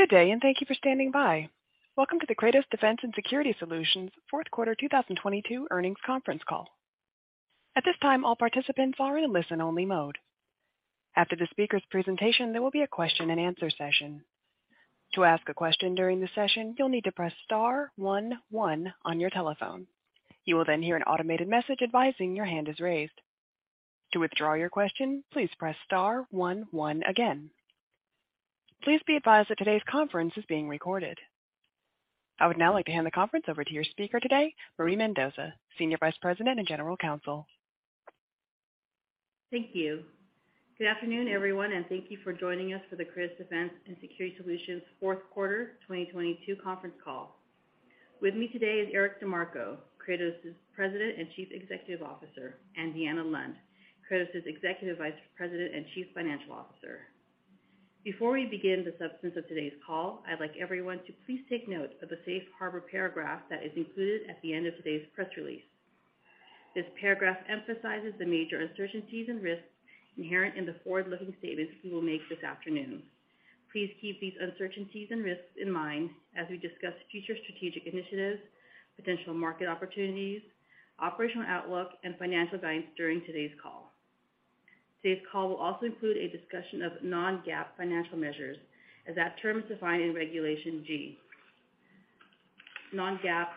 Good day, and thank you for standing by. Welcome to the Kratos Defense & Security Solutions Fourth Quarter 2022 Earnings Conference Call. At this time, all participants are in listen-only mode. After the speaker's presentation, there will be a question-and-answer session. To ask a question during the session, you'll need to press star 11 on your telephone. You will then hear an automated message advising your hand is raised. To withdraw your question, please press star 11 again. Please be advised that today's conference is being recorded. I would now like to hand the conference over to your speaker today, Marie Mendoza, Senior Vice President and General Counsel. Thank you. Good afternoon, everyone, and thank you for joining us for the Kratos Defense & Security Solutions 4th quarter 2022 conference call. With me today is Eric DeMarco, Kratos' President and Chief Executive Officer; and Deanna Lund, Kratos' Executive Vice President and Chief Financial Officer. Before we begin the substance of today's call, I'd like everyone to please take note of the safe harbor paragraph that is included at the end of today's press release. This paragraph emphasizes the major uncertainties and risks inherent in the forward-looking statements we will make this afternoon. Please keep these uncertainties and risks in mind as we discuss future strategic initiatives, potential market opportunities, operational outlook, and financial guidance during today's call. Today's call will also include a discussion of non-GAAP financial measures as that term is defined in Regulation G. Non-GAAP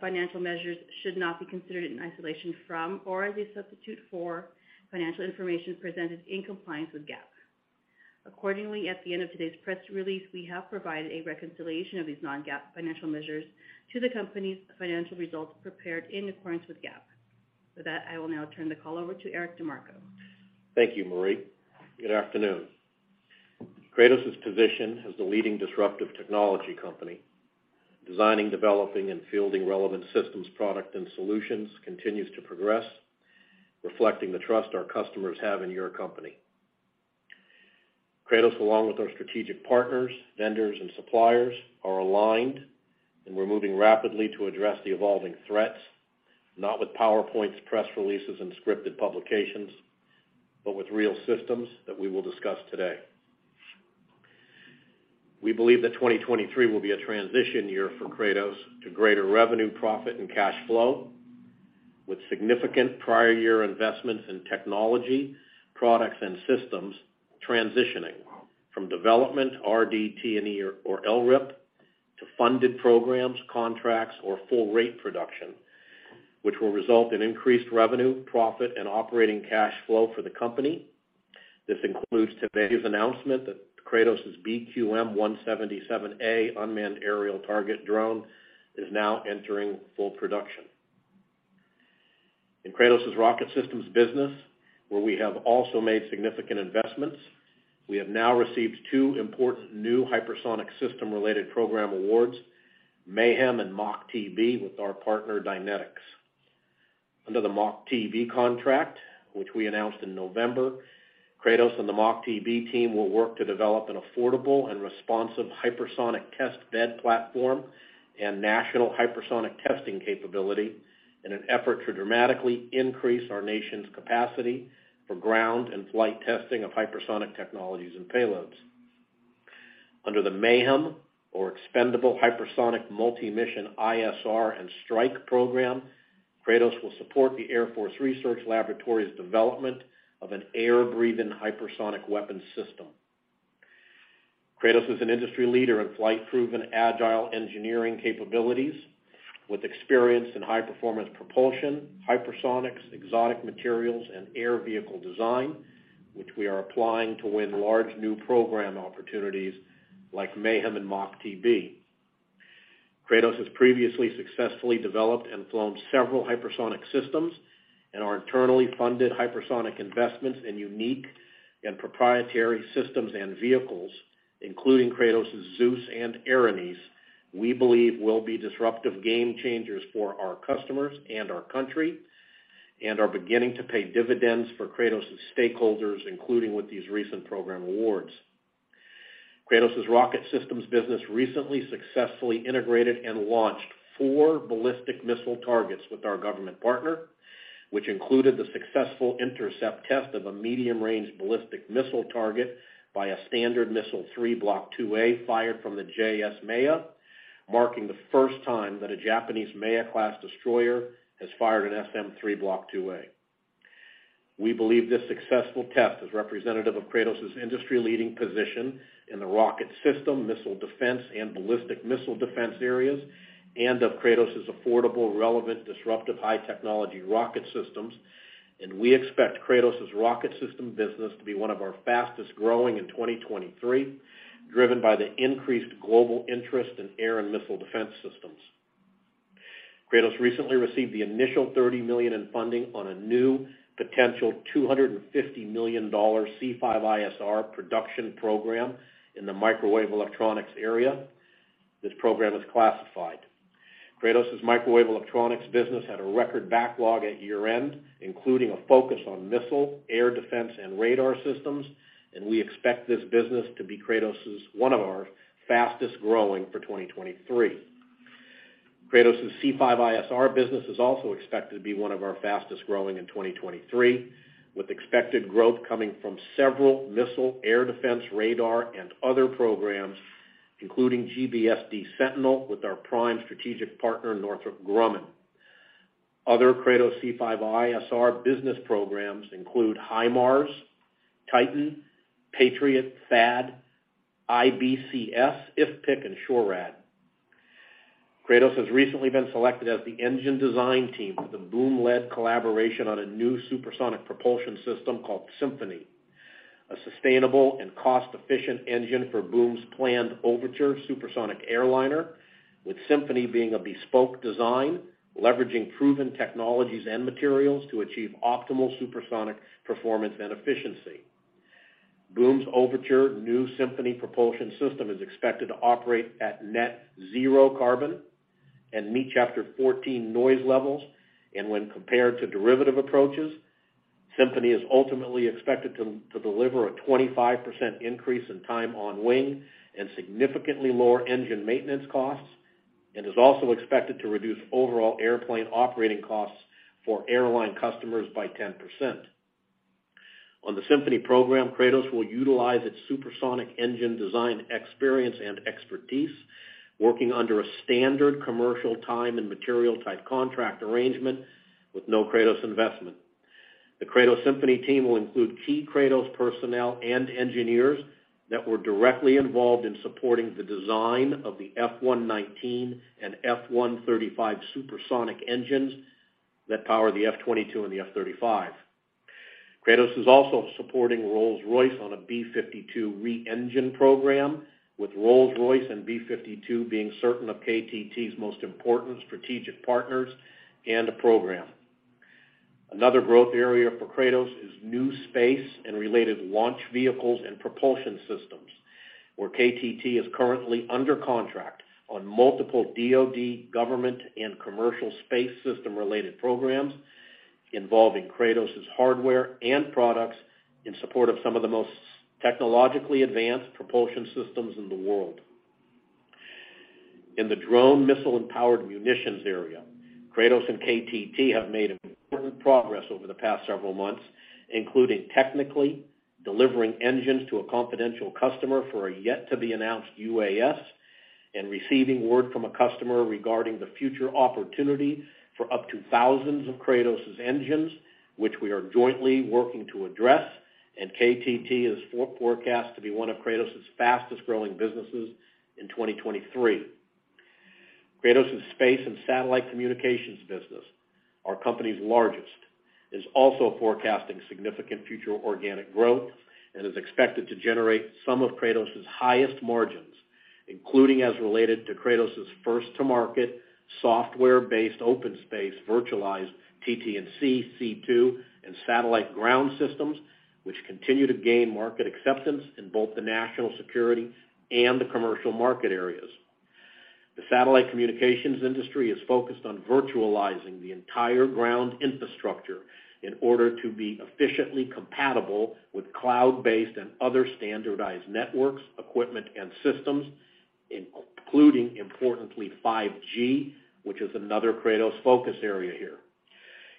financial measures should not be considered in isolation from or as a substitute for financial information presented in compliance with GAAP. Accordingly, at the end of today's press release, we have provided a reconciliation of these non-GAAP financial measures to the company's financial results prepared in accordance with GAAP. With that, I will now turn the call over to Eric DeMarco. Thank you, Marie. Good afternoon. Kratos' position as the leading disruptive technology company, designing, developing, and fielding relevant systems product and solutions continues to progress, reflecting the trust our customers have in your company. Kratos, along with our strategic partners, vendors, and suppliers, are aligned. We're moving rapidly to address the evolving threats, not with PowerPoints, press releases, and scripted publications, but with real systems that we will discuss today. We believe that 2023 will be a transition year for Kratos to greater revenue, profit, and cash flow, with significant prior year investments in technology, products, and systems transitioning from development, RDT&E or LRIP to funded programs, contracts, or full rate production, which will result in increased revenue, profit, and operating cash flow for the company. This includes today's announcement that Kratos' BQM-177A unmanned aerial target drone is now entering full production. In Kratos' Rocket Systems business, where we have also made significant investments, we have now received 2 important new hypersonic system-related program awards, Mayhem and Mach-TB with our partner, Dynetics. Under the Mach-TB contract, which we announced in November, Kratos and the Mach-TB team will work to develop an affordable and responsive hypersonic test bed platform and national hypersonic testing capability in an effort to dramatically increase our nation's capacity for ground and flight testing of hypersonic technologies and payloads. Under the Mayhem or Expendable Hypersonic Multi-Mission ISR and Strike program, Kratos will support the Air Force Research Laboratory's development of an air-breathing hypersonic weapons system. Kratos is an industry leader in flight-proven agile engineering capabilities with experience in high-performance propulsion, hypersonics, exotic materials, and air vehicle design, which we are applying to win large new program opportunities like Mayhem and Mach-TB. Kratos has previously successfully developed and flown several hypersonic systems and our internally funded hypersonic investments in unique and proprietary systems and vehicles, including Kratos' Zeus and Erinyes, we believe will be disruptive game changers for our customers and our country and are beginning to pay dividends for Kratos' stakeholders, including with these recent program awards. Kratos' Rocket Systems business recently successfully integrated and launched 4 ballistic missile targets with our government partner, which included the successful intercept test of a medium-range ballistic missile target by a Standard Missile-3 Block IIA fired from the JS Maya, marking the first time that a Japanese Maya-class destroyer has fired an SM-3 Block IIA. We believe this successful test is representative of Kratos' industry-leading position in the rocket system, missile defense, and ballistic missile defense areas, and of Kratos' affordable, relevant, disruptive, high-technology rocket systems. We expect Kratos' rocket system business to be 1 of our fastest-growing in 2023, driven by the increased global interest in air and missile defense systems. Kratos recently received the initial $30 million in funding on a new potential $250 million C5ISR production program in the microwave electronics area. This program is classified. Kratos' microwave electronics business had a record backlog at year-end, including a focus on missile, air defense, and radar systems, and we expect this business to be Kratos', 1 of our fastest-growing for 2023. Kratos' C5ISR business is also expected to be 1 of our fastest-growing in 2023, with expected growth coming from several missile, air defense, radar, and other programs, including GBSD Sentinel with our prime strategic partner, Northrop Grumman. Other Kratos C5ISR business programs include HIMARS, TITAN, Patriot, THAAD, IBCS, IFPC, and SHORAD. Kratos has recently been selected as the engine design team for the Boom-led collaboration on a new supersonic propulsion system called Symphony, a sustainable and cost-efficient engine for Boom's planned Overture supersonic airliner, with Symphony being a bespoke design, leveraging proven technologies and materials to achieve optimal supersonic performance and efficiency. When compared to derivative approaches, Symphony is ultimately expected to deliver a 25% increase in time on wing and significantly lower engine maintenance costs, and is also expected to reduce overall airplane operating costs for airline customers by 10%. On the Symphony program, Kratos will utilize its supersonic engine design experience and expertise, working under a standard commercial time and material-type contract arrangement with no Kratos investment. The Kratos Symphony team will include key Kratos personnel and engineers that were directly involved in supporting the design of the F119 and F135 supersonic engines that power the F22 and the F35. Kratos is also supporting Rolls-Royce on a B-52 re-engine program, with Rolls-Royce and B-52 being certain of KTT's most important strategic partners and the program. Another growth area for Kratos is new space and related launch vehicles and propulsion systems, where KTT is currently under contract on multiple DoD, government, and commercial space system-related programs involving Kratos' hardware and products in support of some of the most technologically advanced propulsion systems in the world. In the drone, missile, and powered munitions area, Kratos and KTT have made important progress over the past several months, including technically delivering engines to a confidential customer for a yet-to-be-announced UAS and receiving word from a customer regarding the future opportunity for up to thousands of Kratos' engines, which we are jointly working to address, and KTT is forecast to be 1 of Kratos' fastest-growing businesses in 2023. Kratos' space and satellite communications business, our company's largest, is also forecasting significant future organic growth and is expected to generate some of Kratos' highest margins, including as related to Kratos' first-to-market, software-based, OpenSpace, virtualized TT&C, C2, and satellite ground systems, which continue to gain market acceptance in both the national security and the commercial market areas. The satellite communications industry is focused on virtualizing the entire ground infrastructure in order to be efficiently compatible with cloud-based and other standardized networks, equipment, and systems, including, importantly, 5G, which is another Kratos focus area here.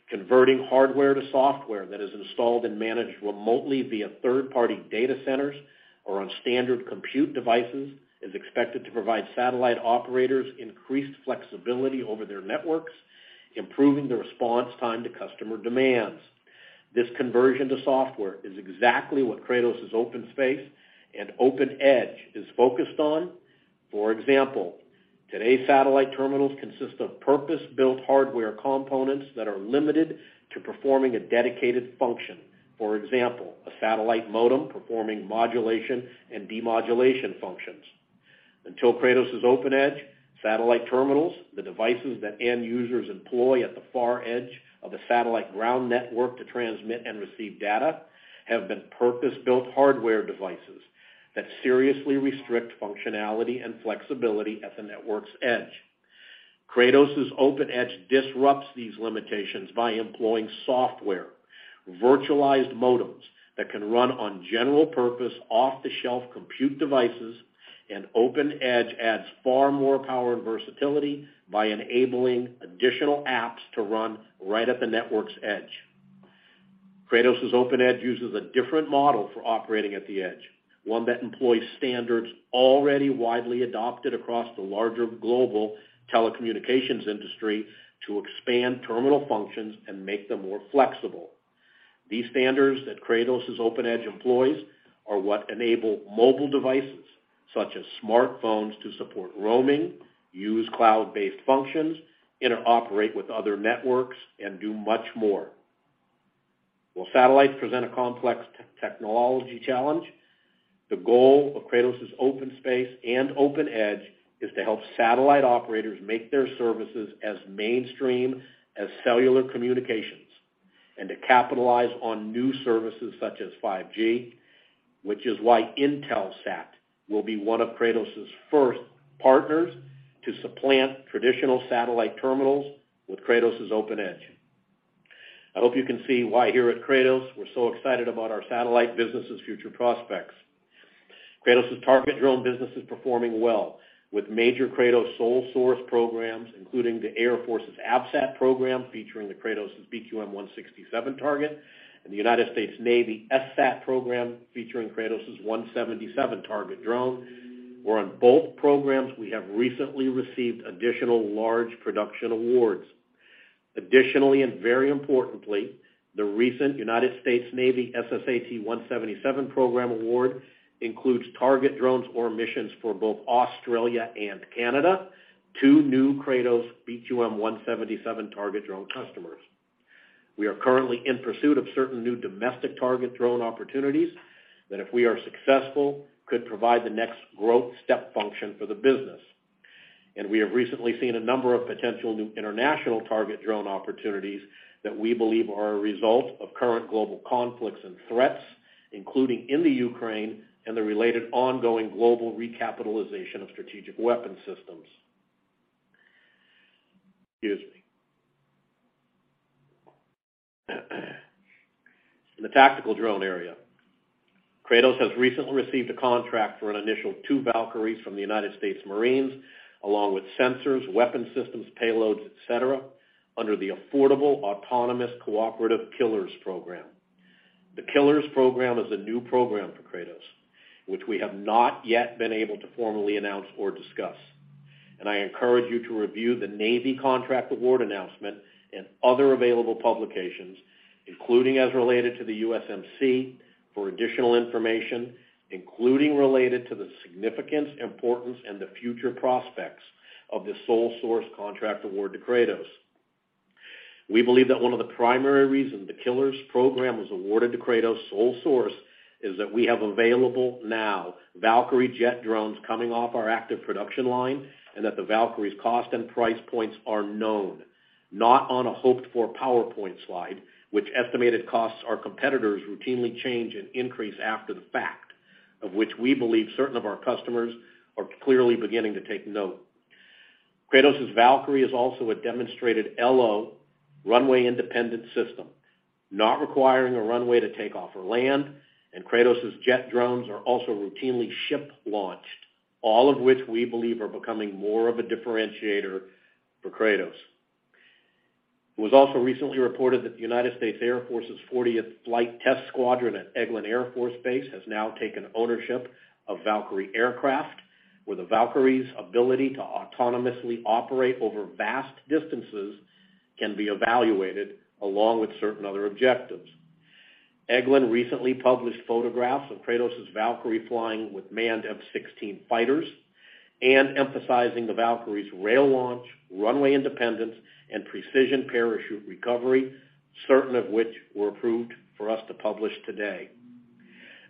Converting hardware to software that is installed and managed remotely via third-party data centers or on standard compute devices is expected to provide satellite operators increased flexibility over their networks, improving the response time to customer demands. This conversion to software is exactly what Kratos' OpenSpace and OpenEdge is focused on. For example, today's satellite terminals consist of purpose-built hardware components that are limited to performing a dedicated function. For example, a satellite modem performing modulation and demodulation functions. Until Kratos' OpenEdge, satellite terminals, the devices that end users employ at the far edge of a satellite ground network to transmit and receive data, have been purpose-built hardware devices that seriously restrict functionality and flexibility at the network's edge. Kratos' OpenEdge disrupts these limitations by employing software, virtualized modems that can run on general purpose, off-the-shelf compute devices, and OpenEdge adds far more power and versatility by enabling additional apps to run right at the network's edge. Kratos' OpenEdge uses a different model for operating at the edge, one that employs standards already widely adopted across the larger global telecommunications industry to expand terminal functions and make them more flexible. These standards that Kratos' OpenEdge employs are what enable mobile devices, such as smartphones, to support roaming, use cloud-based functions, interoperate with other networks, and do much more. While satellites present a complex technology challenge, the goal of Kratos' OpenSpace and OpenEdge is to help satellite operators make their services as mainstream as cellular communications and to capitalize on new services such as 5G, which is why Intelsat will be 1 of Kratos' first partners to supplant traditional satellite terminals with Kratos' OpenEdge. I hope you can see why here at Kratos, we're so excited about our satellite business' future prospects. Kratos' target drone business is performing well, with major Kratos sole source programs, including the Air Force's AFSAT program, featuring the Kratos' BQM-167 target, and the United States Navy SSAT program, featuring Kratos' 177 target drone, where on both programs, we have recently received additional large production awards. Additionally, and very importantly, the recent United States Navy SSAT 177 program award includes target drones or missions for both Australia and Canada, 2 new Kratos BQM-177 target drone customers. We are currently in pursuit of certain new domestic target drone opportunities that, if we are successful, could provide the next growth step function for the business. We have recently seen a number of potential new international target drone opportunities that we believe are a result of current global conflicts and threats, including in the Ukraine and the related ongoing global recapitalization of strategic weapon systems. Excuse me. In the tactical drone area, Kratos has recently received a contract for an initial 2 Valkyries from the United States Marines, along with sensors, weapon systems, payloads, et cetera, under the Affordable Autonomous Collaborative Killers program. The Killers program is a new program for Kratos, which we have not yet been able to formally announce or discuss. I encourage you to review the Navy contract award announcement and other available publications, including as related to the USMC, for additional information, including related to the significance, importance, and the future prospects of this sole source contract award to Kratos. We believe that one of the primary reasons the Killers program was awarded to Kratos sole source is that we have available now Valkyrie jet drones coming off our active production line. The Valkyrie's cost and price points are known, not on a hoped-for PowerPoint slide which estimated costs our competitors routinely change and increase after the fact, of which we believe certain of our customers are clearly beginning to take note. Kratos' Valkyrie is also a demonstrated LO runway-independent system, not requiring a runway to take off or land, and Kratos' jet drones are also routinely ship-launched, all of which we believe are becoming more of a differentiator for Kratos. It was also recently reported that the United States Air Force's 40th Flight Test Squadron at Eglin Air Force Base has now taken ownership of Valkyrie aircraft, where the Valkyrie's ability to autonomously operate over vast distances can be evaluated along with certain other objectives. Eglin recently published photographs of Kratos' Valkyrie flying with manned F-16 fighters and emphasizing the Valkyrie's rail launch, runway independence, and precision parachute recovery, certain of which were approved for us to publish today.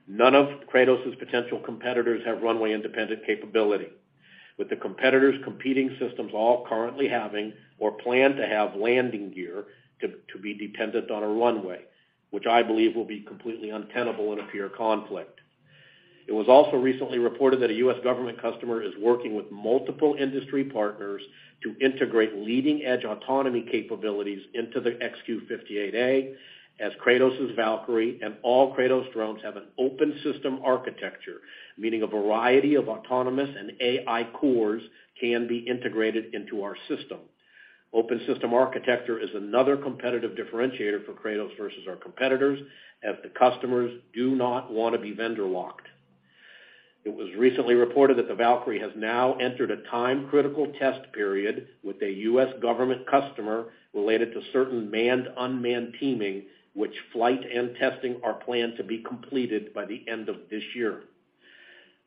None of Kratos' potential competitors have runway-independent capability. With the competitors' competing systems all currently having or plan to have landing gear to be dependent on a runway, which I believe will be completely untenable in a peer conflict. It was also recently reported that a U.S. government customer is working with multiple industry partners to integrate leading-edge autonomy capabilities into the XQ-58A as Kratos' Valkyrie and all Kratos drones have an open system architecture, meaning a variety of autonomous and AI cores can be integrated into our system. Open system architecture is another competitive differentiator for Kratos versus our competitors, as the customers do not wanna be vendor-locked. It was recently reported that the Valkyrie has now entered a time-critical test period with a U.S. government customer related to certain manned-unmanned teaming, which flight and testing are planned to be completed by the end of this year.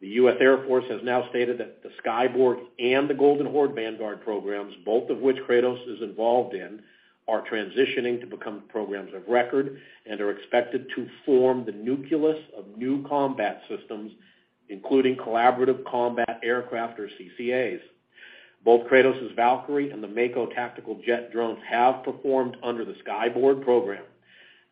The U.S. Air Force has now stated that the Skyborg and the Golden Horde Vanguard programs, both of which Kratos is involved in, are transitioning to become programs of record and are expected to form the nucleus of new combat systems, including Collaborative Combat Aircraft or CCAs. Both Kratos' Valkyrie and the Mako tactical jet drones have performed under the Skyborg program,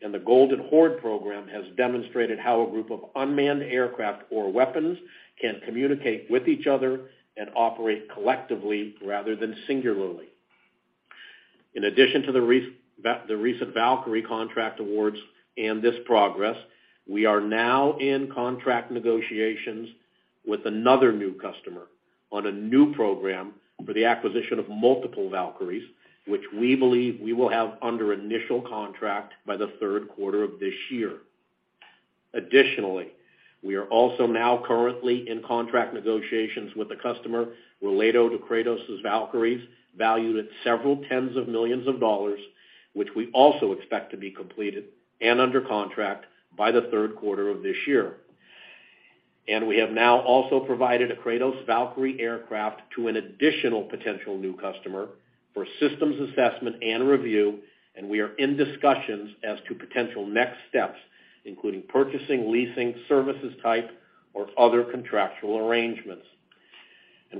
and the Golden Horde program has demonstrated how a group of unmanned aircraft or weapons can communicate with each other and operate collectively rather than singularly. In addition to the recent Valkyrie contract awards and this progress, we are now in contract negotiations with another new customer on a new program for the acquisition of multiple Valkyries, which we believe we will have under initial contract by the third quarter of this year. Additionally, we are also now currently in contract negotiations with a customer related to Kratos' Valkyries valued at several tens of millions of dollars, which we also expect to be completed and under contract by the third quarter of this year. We have now also provided a Kratos Valkyrie aircraft to an additional potential new customer for systems assessment and review, and we are in discussions as to potential next steps, including purchasing, leasing, services type, or other contractual arrangements.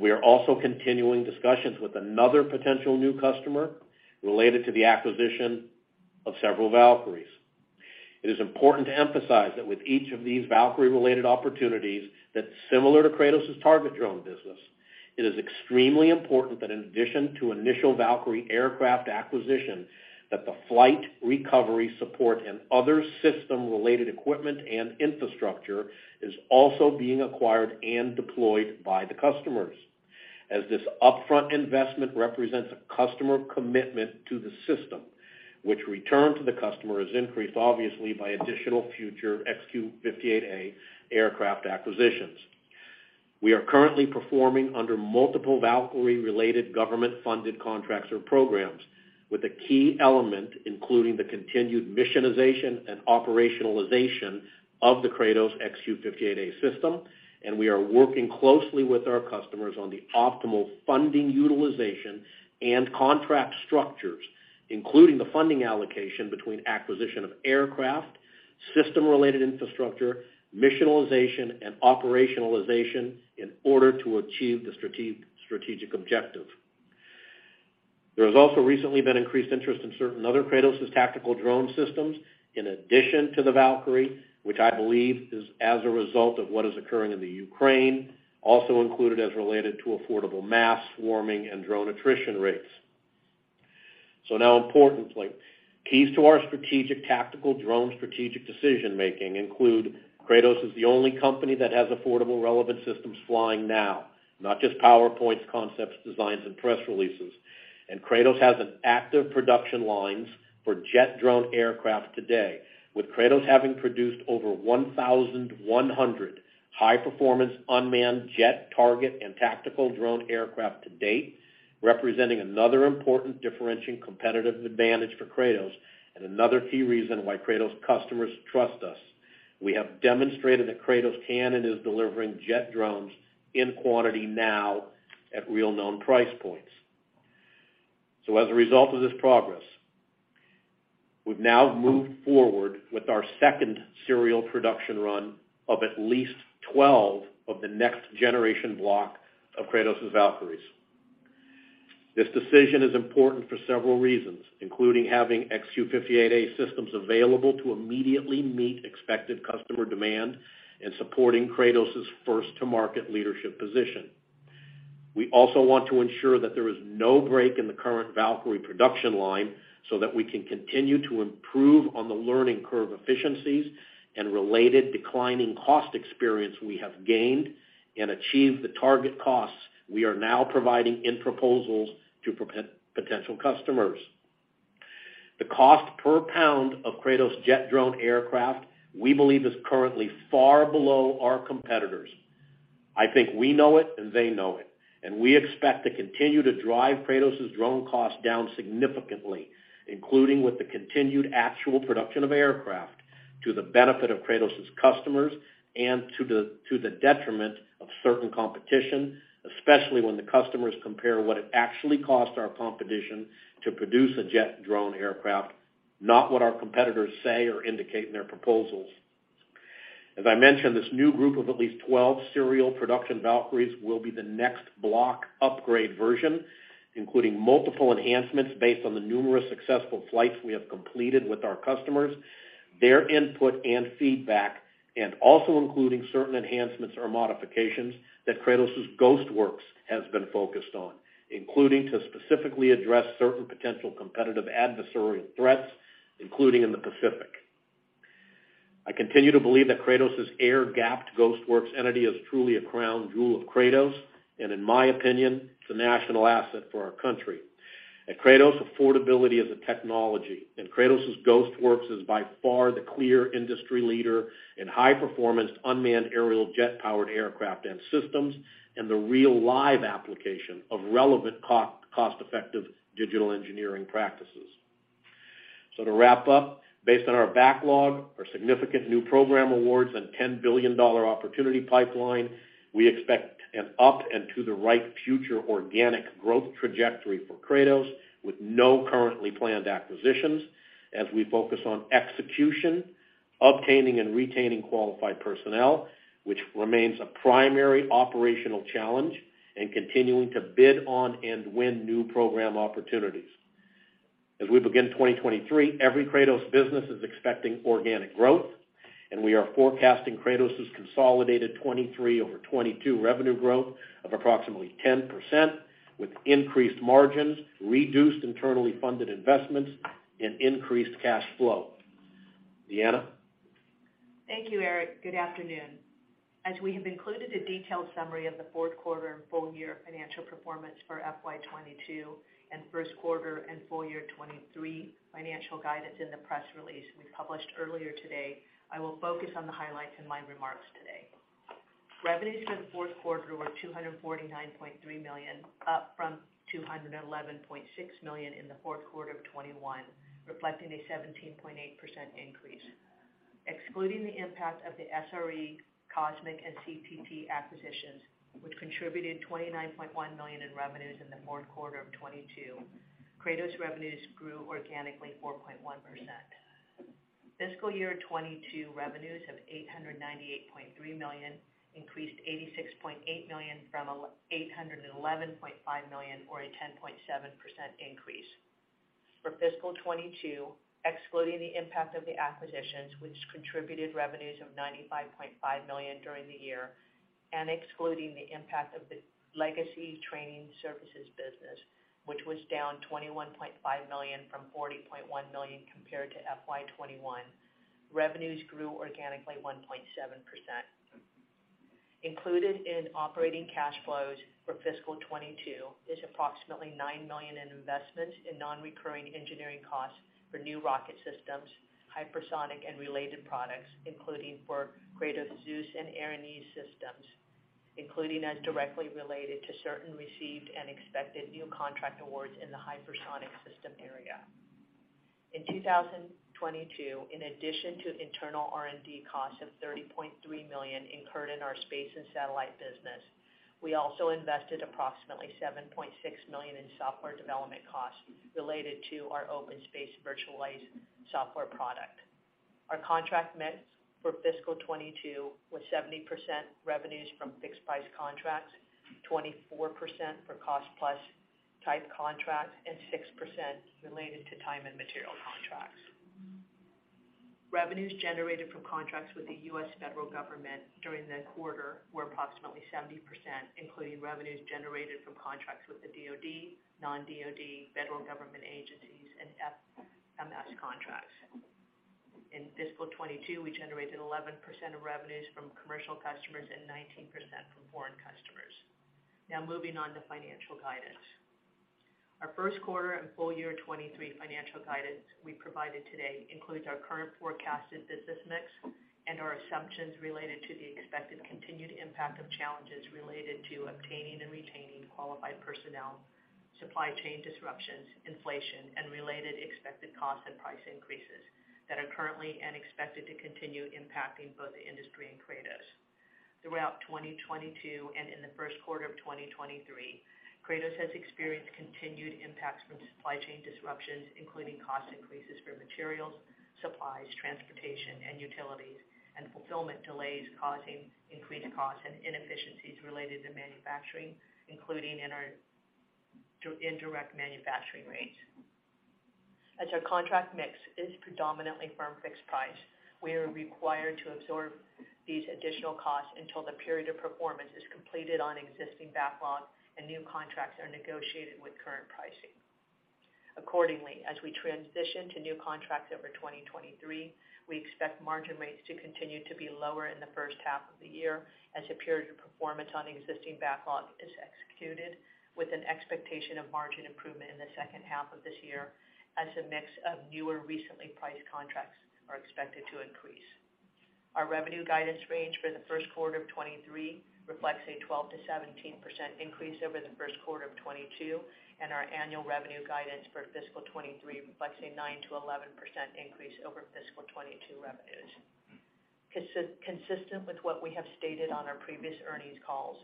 We are also continuing discussions with another potential new customer related to the acquisition of several Valkyries. It is important to emphasize that with each of these Valkyrie related opportunities that's similar to Kratos' target drone business, it is extremely important that in addition to initial Valkyrie aircraft acquisition, that the flight recovery support and other system related equipment and infrastructure is also being acquired and deployed by the customers. As this upfront investment represents a customer commitment to the system, which return to the customer is increased, obviously, by additional future XQ-58A aircraft acquisitions. We are currently performing under multiple Valkyrie-related government-funded contracts or programs with a key element, including the continued missionization and operationalization of the Kratos XQ-58A system. We are working closely with our customers on the optimal funding utilization and contract structures, including the funding allocation between acquisition of aircraft, system-related infrastructure, missionization and operationalization in order to achieve the strategic objective. There has also recently been increased interest in certain other Kratos' tactical drone systems in addition to the Valkyrie, which I believe is as a result of what is occurring in the Ukraine, also included as related to affordable mass swarming and drone attrition rates. Now importantly, keys to our strategic tactical drone strategic decision-making include Kratos is the only company that has affordable relevant systems flying now. Not just PowerPoints, concepts, designs, and press releases. Kratos has an active production lines for jet drone aircraft today, with Kratos having produced over 1,100 high performance unmanned jet target and tactical drone aircraft to date, representing another important differentiating competitive advantage for Kratos and another key reason why Kratos customers trust us. We have demonstrated that Kratos can and is delivering jet drones in quantity now at real known price points. As a result of this progress, we've now moved forward with our second serial production run of at least 12 of the next generation block of Kratos' Valkyries. This decision is important for several reasons, including having XQ-58A systems available to immediately meet expected customer demand and supporting Kratos' first to market leadership position. We also want to ensure that there is no break in the current Valkyrie production line so that we can continue to improve on the learning curve efficiencies and related declining cost experience we have gained and achieve the target costs we are now providing in proposals to potential customers. The cost per pound of Kratos jet drone aircraft, we believe, is currently far below our competitors. I think we know it and they know it, and we expect to continue to drive Kratos' drone costs down significantly, including with the continued actual production of aircraft to the benefit of Kratos' customers and to the detriment of certain competition, especially when the customers compare what it actually costs our competition to produce a jet drone aircraft, not what our competitors say or indicate in their proposals. As I mentioned, this new group of at least 12 serial production Valkyries will be the next block upgrade version, including multiple enhancements based on the numerous successful flights we have completed with our customers, their input and feedback, and also including certain enhancements or modifications that Kratos' Ghost Works has been focused on, including to specifically address certain potential competitive adversarial threats, including in the Pacific. I continue to believe that Kratos' air-gapped Ghost Works entity is truly a crown jewel of Kratos, and in my opinion, it's a national asset for our country. At Kratos, affordability is a technology, and Kratos' Ghost Works is by far the clear industry leader in high performance unmanned aerial jet powered aircraft and systems, and the real live application of relevant co-cost-effective digital engineering practices. To wrap up, based on our backlog, our significant new program awards and $10 billion opportunity pipeline, we expect an up and to the right future organic growth trajectory for Kratos with no currently planned acquisitions as we focus on execution, obtaining and retaining qualified personnel, which remains a primary operational challenge, and continuing to bid on and win new program opportunities. As we begin 2023, every Kratos business is expecting organic growth, and we are forecasting Kratos' consolidated 2023 over 2022 revenue growth of approximately 10% with increased margins, reduced internally funded investments, and increased cash flow. Deanna? Thank you, Eric. Good afternoon. As we have included a detailed summary of the fourth quarter and full year financial performance for FY 2022 and first quarter and full year 2023 financial guidance in the press release we published earlier today, I will focus on the highlights in my remarks today. Revenues for the fourth quarter were $249.3 million, up from $211.6 million in the fourth quarter of 2021, reflecting a 17.8% increase. Excluding the impact of the SRE, Cosmic and CTT acquisitions, which contributed $29.1 million in revenues in the fourth quarter of 2022, Kratos revenues grew organically 4.1%. Fiscal year 2022 revenues of $898.3 million increased $86.8 million from $811.5 million or a 10.7% increase. For fiscal 2022, excluding the impact of the acquisitions, which contributed revenues of $95.5 million during the year, and excluding the impact of the legacy training services business, which was down $21.5 million from $40.1 million compared to FY 2021, revenues grew organically 1.7%. Included in operating cash flows for fiscal 2022 is approximately $9 million in investments in non-recurring engineering costs for new rocket systems, hypersonic and related products, including for Kratos Zeus and Erinyes systems, including as directly related to certain received and expected new contract awards in the hypersonic system area. In 2022, in addition to internal R&D costs of $30.3 million incurred in our space and satellite business, we also invested approximately $7.6 million in software development costs related to our OpenSpace virtualized software product. Our contract mix for fiscal 2022 was 70% revenues from fixed-price contracts, 24% for cost-plus type contracts, and 6% related to time and material contracts. Revenues generated from contracts with the U.S. federal government during the quarter were approximately 70%, including revenues generated from contracts with the DoD, non-DoD federal government agencies, and FMS contracts. In fiscal 2022, we generated 11% of revenues from commercial customers and 19% from foreign customers. Moving on to financial guidance. Our first quarter and full year 2023 financial guidance we provided today includes our current forecasted business mix and our assumptions related to the expected continued impact of challenges related to obtaining and retaining qualified personnel, supply chain disruptions, inflation, and related expected cost and price increases that are currently and expected to continue impacting both the industry and Kratos. Throughout 2022 and in the first quarter of 2023, Kratos has experienced continued impacts from supply chain disruptions, including cost increases for materials, supplies, transportation, and utilities, and fulfillment delays causing increased costs and inefficiencies related to manufacturing, including in our indirect manufacturing rates. As our contract mix is predominantly firm fixed price, we are required to absorb these additional costs until the period of performance is completed on existing backlog and new contracts are negotiated with current pricing. As we transition to new contracts over 2023, we expect margin rates to continue to be lower in the first half of the year as the period of performance on the existing backlog is executed, with an expectation of margin improvement in the second half of this year as the mix of newer recently priced contracts are expected to increase. Our revenue guidance range for the first quarter of 2023 reflects a 12%-17% increase over the first quarter of 2022, and our annual revenue guidance for fiscal 2023 reflects a 9%-11% increase over fiscal 2022 revenues. Consistent with what we have stated on our previous earnings calls,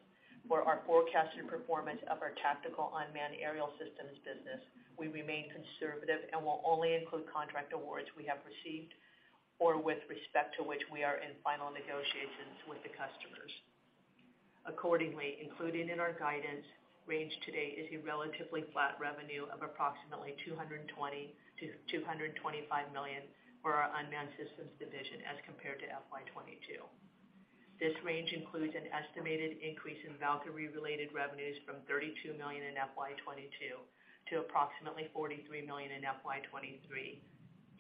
for our forecasted performance of our tactical unmanned aerial systems business, we remain conservative and will only include contract awards we have received or with respect to which we are in final negotiations with the customers. Accordingly, included in our guidance range today is a relatively flat revenue of approximately $220 million-$225 million for our unmanned systems division as compared to FY 2022. This range includes an estimated increase in Valkyrie-related revenues from $32 million in FY 2022 to approximately $43 million in FY 2023,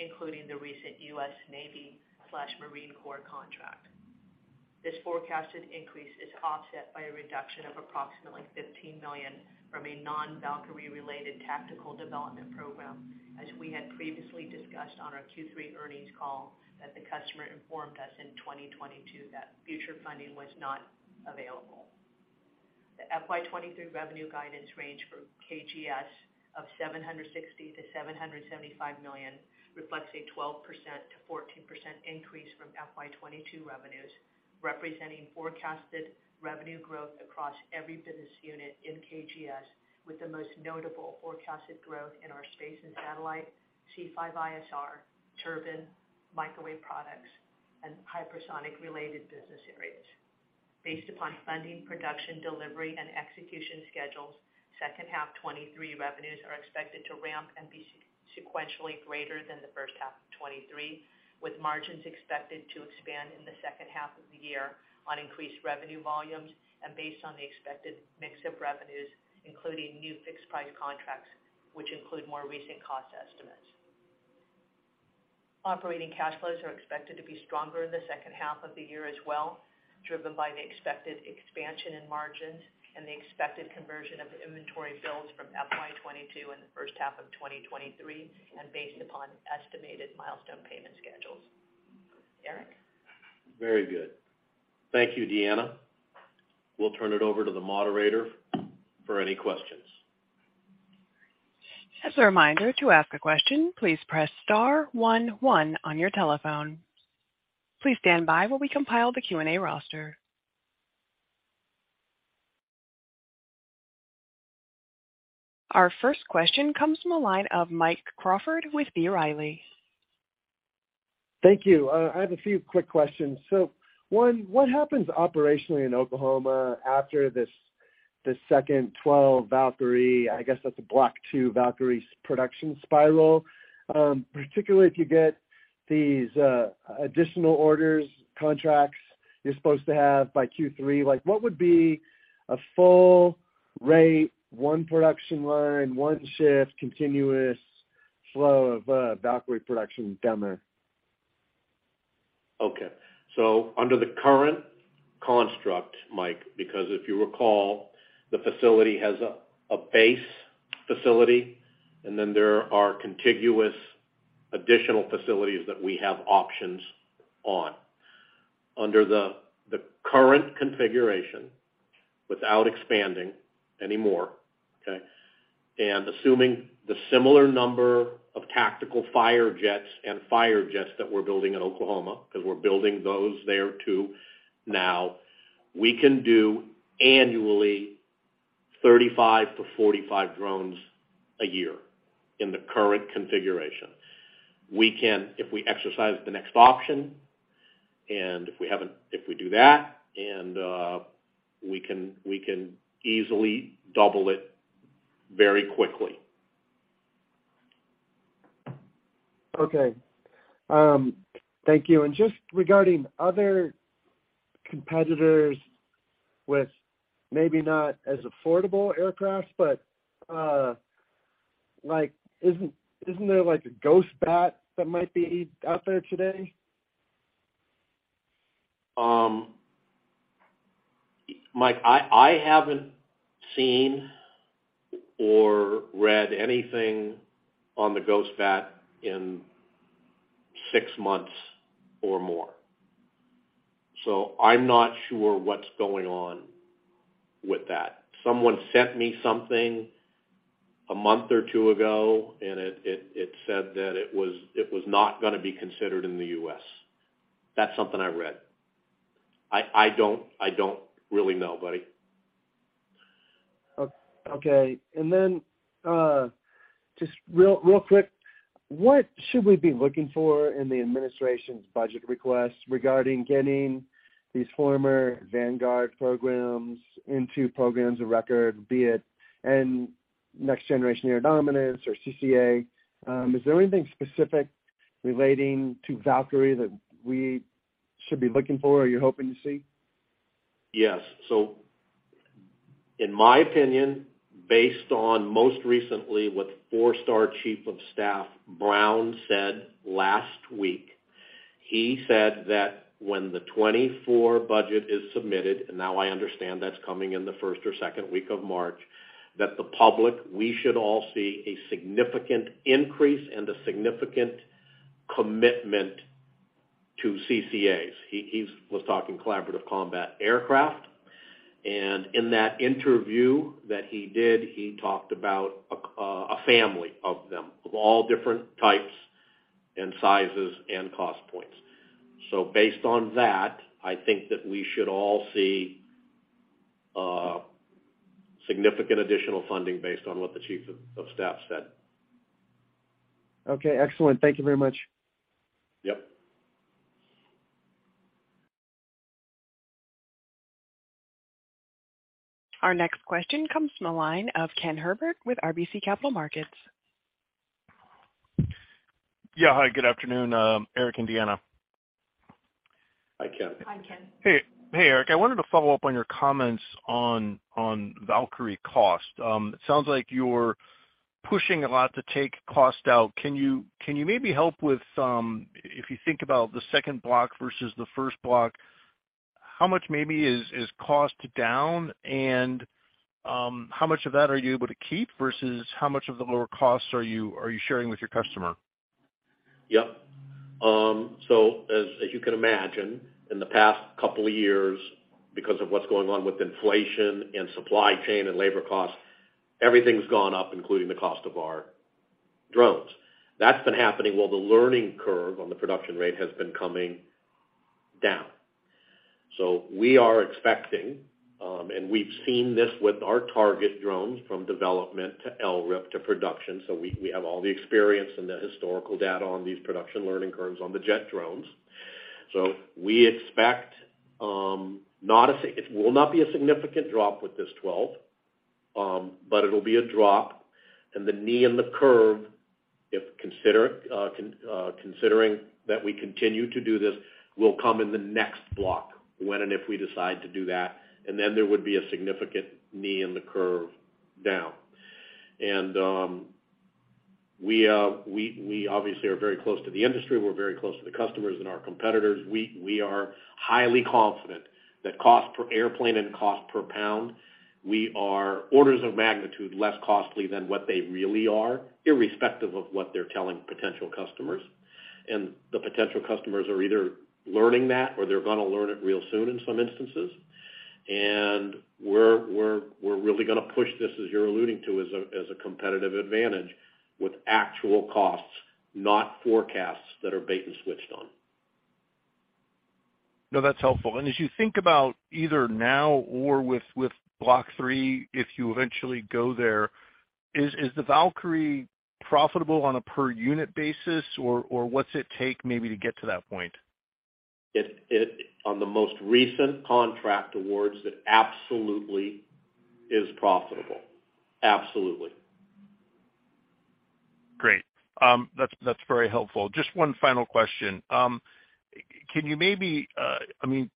including the recent U.S. Navy/Marine Corps contract. This forecasted increase is offset by a reduction of approximately $15 million from a non-Valkyrie-related tactical development program, as we had previously discussed on our Q3 earnings call that the customer informed us in 2022 that future funding was not available. The FY 2023 revenue guidance range for KGS of $760 million-$775 million reflects a 12%-14% increase from FY 2022 revenues, representing forecasted revenue growth across every business unit in KGS, with the most notable forecasted growth in our space and satellite, C5ISR, turbine, microwave products, and hypersonic-related business areas. Based upon funding, production, delivery, and execution schedules, second half 2023 revenues are expected to ramp and be sequentially greater than the first half of 2023, with margins expected to expand in the second half of the year on increased revenue volumes and based on the expected mix of revenues, including new fixed-price contracts, which include more recent cost estimates. Operating cash flows are expected to be stronger in the second half of the year as well, driven by the expected expansion in margins and the expected conversion of inventory bills from FY 2022 in the first half of 2023 and based upon estimated milestone payment schedules. Eric? Very good. Thank you, Deanna. We'll turn it over to the moderator for any questions. As a reminder, to ask a question, please press star 11 on your telephone. Please stand by while we compile the Q&A roster. Our first question comes from the line of Mike Crawford with B. Riley. Thank you. I have a few quick questions. 1. What happens operationally in Oklahoma after this, the second 12 Valkyrie? I guess that's a Block 2 Valkyrie's production spiral. Particularly if you get these additional orders, contracts you're supposed to have by Q3. What would be a full rate, 1 production line, 1 shift, continuous flow of Valkyrie production down there? Under the current construct, Mike, because if you recall, the facility has a base facility, and then there are contiguous additional facilities that we have options on. Under the current configuration without expanding any more, okay? Assuming the similar number of Tactical Firejets and Firejets that we're building in Oklahoma, 'cause we're building those there too now, we can do annually 35 to 45 drones a year in the current configuration. We can, if we exercise the next option, and if we do that and we can easily double it very quickly. Okay. Thank you. Just regarding other competitors with maybe not as affordable aircraft, but, like isn't there like a Ghost Bat that might be out there today? Mike, I haven't seen or read anything on the Ghost Bat in 6 months or more. I'm not sure what's going on with that. Someone sent me something a month or 2 ago. It said that it was not gonna be considered in the U.S. That's something I read. I don't really know, buddy. Okay. Then, just real quick, what should we be looking for in the administration's budget request regarding getting these former Vanguard programs into programs of record, be it Next Generation Air Dominance or CCA? Is there anything specific relating to Valkyrie that we should be looking for or you're hoping to see? Yes. In my opinion, based on most recently what 4-star Chief of Staff Brown said last week, he said that when the 2024 budget is submitted, and now I understand that's coming in the first or second week of March, that the public, we should all see a significant increase and a significant commitment to CCAs. He was talking Collaborative Combat Aircraft. In that interview that he did, he talked about a family of them, of all different types and sizes and cost points. Based on that, I think that we should all see significant additional funding based on what the chief of staff said. Okay, excellent. Thank you very much. Yep. Our next question comes from the line of Ken Herbert with RBC Capital Markets. Hi, good afternoon. Eric and Deanna. Hi, Ken. Hi, Ken. Hey, Eric. I wanted to follow up on your comments on Valkyrie cost. It sounds like you're pushing a lot to take cost out. Can you maybe help with some, if you think about the second block versus the first block, how much maybe is cost down? How much of that are you able to keep versus how much of the lower costs are you sharing with your customer? Yeah. As you can imagine, in the past 2 years, because of what's going on with inflation and supply chain and labor costs, everything's gone up, including the cost of our drones. That's been happening while the learning curve on the production rate has been coming down. We are expecting, and we've seen this with our target drones from development to LRIP to production. We have all the experience and the historical data on these production learning curves on the jet drones. We expect not a significant drop with this 12, but it'll be a drop. And the knee in the curve, if considering that we continue to do this, will come in the next block when and if we decide to do that. Then there would be a significant knee in the curve down. We obviously are very close to the industry. We're very close to the customers and our competitors. We are highly confident that cost per airplane and cost per pound, we are orders of magnitude less costly than what they really are, irrespective of what they're telling potential customers. The potential customers are either learning that, or they're gonna learn it real soon in some instances. We're really gonna push this, as you're alluding to, as a competitive advantage with actual costs, not forecasts that are bait-and-switched on. No, that's helpful. As you think about either now or with block 3, if you eventually go there, is the Valkyrie profitable on a per unit basis or what's it take maybe to get to that point? It on the most recent contract awards, it absolutely is profitable. Absolutely. Great. That's, that's very helpful. Just 1 final question. Can you maybe I mean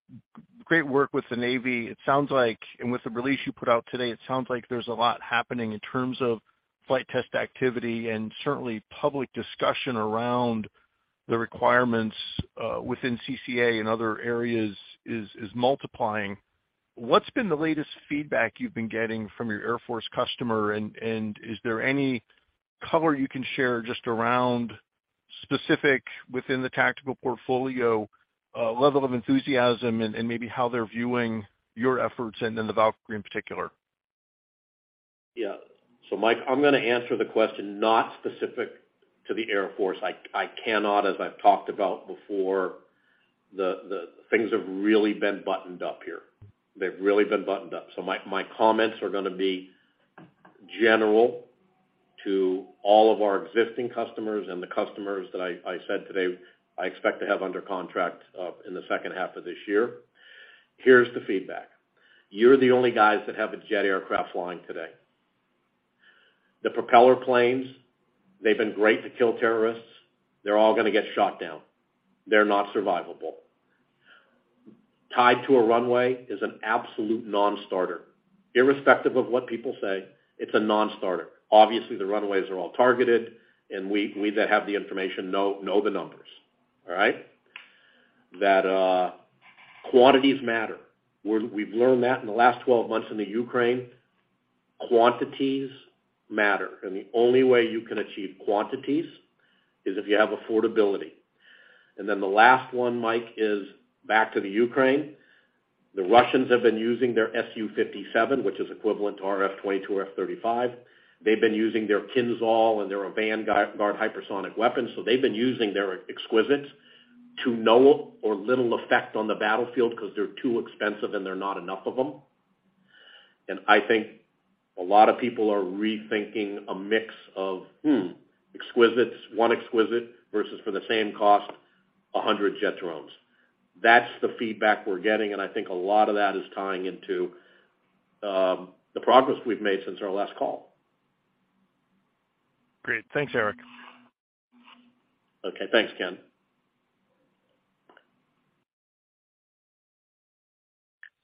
great work with the Navy. It sounds like, with the release you put out today, it sounds like there's a lot happening in terms of flight test activity, and certainly public discussion around the requirements within CCA and other areas is multiplying. What's been the latest feedback you've been getting from your Air Force customer? Is there any color you can share just around specific within the tactical portfolio, level of enthusiasm and maybe how they're viewing your efforts and then the Valkyrie in particular? Yeah. Mike, I'm gonna answer the question not specific to the Air Force. I cannot, as I've talked about before, the things have really been buttoned up here. They've really been buttoned up. My comments are gonna be general to all of our existing customers and the customers that I said today I expect to have under contract in the second half of this year. Here's the feedback. You're the only guys that have a jet aircraft flying today. The propeller planes, they've been great to kill terrorists. They're all gonna get shot down. They're not survivable. Tied to a runway is an absolute non-starter. Irrespective of what people say, it's a non-starter. Obviously, the runways are all targeted, and we that have the information know the numbers. All right? That quantities matter. We've learned that in the last 12 months in the Ukraine. Quantities matter. The only way you can achieve quantities is if you have affordability. The last one, Mike, is back to the Ukraine. The Russians have been using their Su-57, which is equivalent to our F-22 or F-35. They've been using their Kinzhal and their Avangard hypersonic weapons. They've been using their exquisites to no or little effect on the battlefield because they're too expensive and they're not enough of them. I think a lot of people are rethinking a mix of, exquisites, 1 exquisite versus for the same cost, 100 jet drones. That's the feedback we're getting, and I think a lot of that is tying into the progress we've made since our last call. Great. Thanks, Eric. Okay. Thanks, Ken.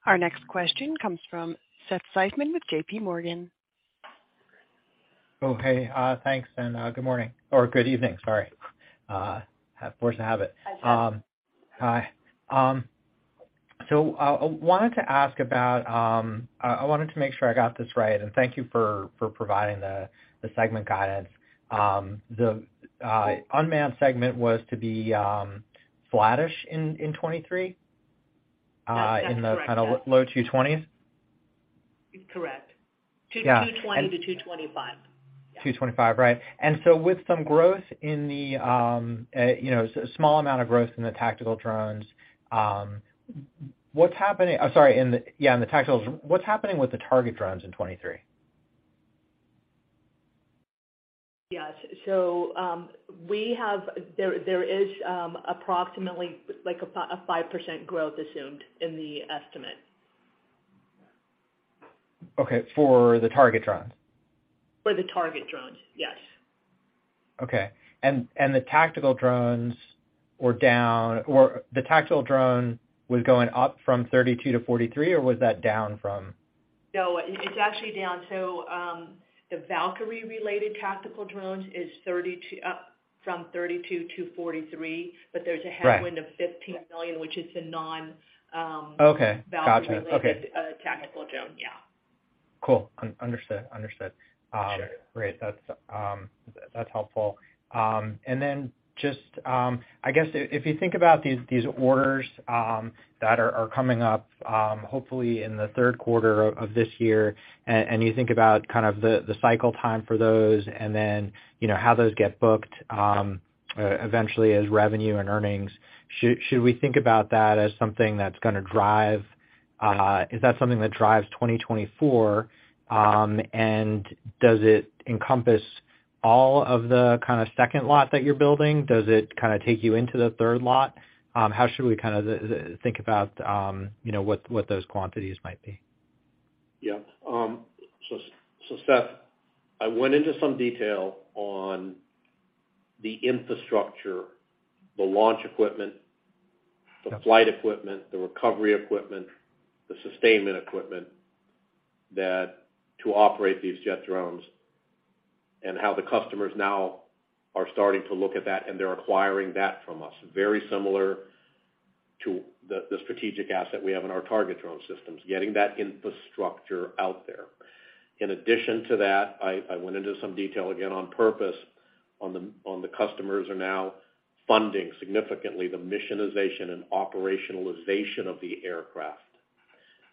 Our next question comes from Seth Seifman with J.P. Morgan. Oh, hey. thanks, and good morning or good evening. Sorry. force of habit. Hi, Seth. Hi. I wanted to ask about. I wanted to make sure I got this right, and thank you for providing the segment guidance. The unmanned segment was to be flattish in 2023. That's correct, Seth.... in the kind of low $220s? Correct. Yeah. 2, $220-$225. Yeah. 225. Right. With some growth in the, you know, small amount of growth in the tactical drones. What's happening with the target drones in 2023? Yes. There is, approximately like a 5% growth assumed in the estimate. Okay. For the target drones? For the target drones, yes. Okay. The tactical drone was going up from 32 to 43, or was that down from? It's actually down. The Valkyrie related tactical drones is 32, from 32 to 43. Right. There's a headwind of $15 million, which is the non... Okay. Gotcha. Okay. Valkyrie related, tactical drone. Yeah. Cool. Understood. Understood. Sure. Great. That's helpful. Just, I guess if you think about these orders, that are coming up, hopefully in the 3rd quarter of this year, and you think about kind of the cycle time for those and then, you know, how those get booked, eventually as revenue and earnings, should we think about that as something that's gonna drive? Is that something that drives 2024? Does it encompass all of the kind of 2nd lot that you're building? Does it kinda take you into the 3rd lot? How should we kind of think about, you know, what those quantities might be? Yeah. Seth, I went into some detail on the infrastructure, the launch equipment. Yeah... the flight equipment, the recovery equipment, the sustainment equipment that to operate these jet drones and how the customers now are starting to look at that and they're acquiring that from us, very similar to the strategic asset we have in our target drone systems, getting that infrastructure out there. In addition to that, I went into some detail again on purpose on the customers are now funding significantly the missionization and operationalization of the aircraft.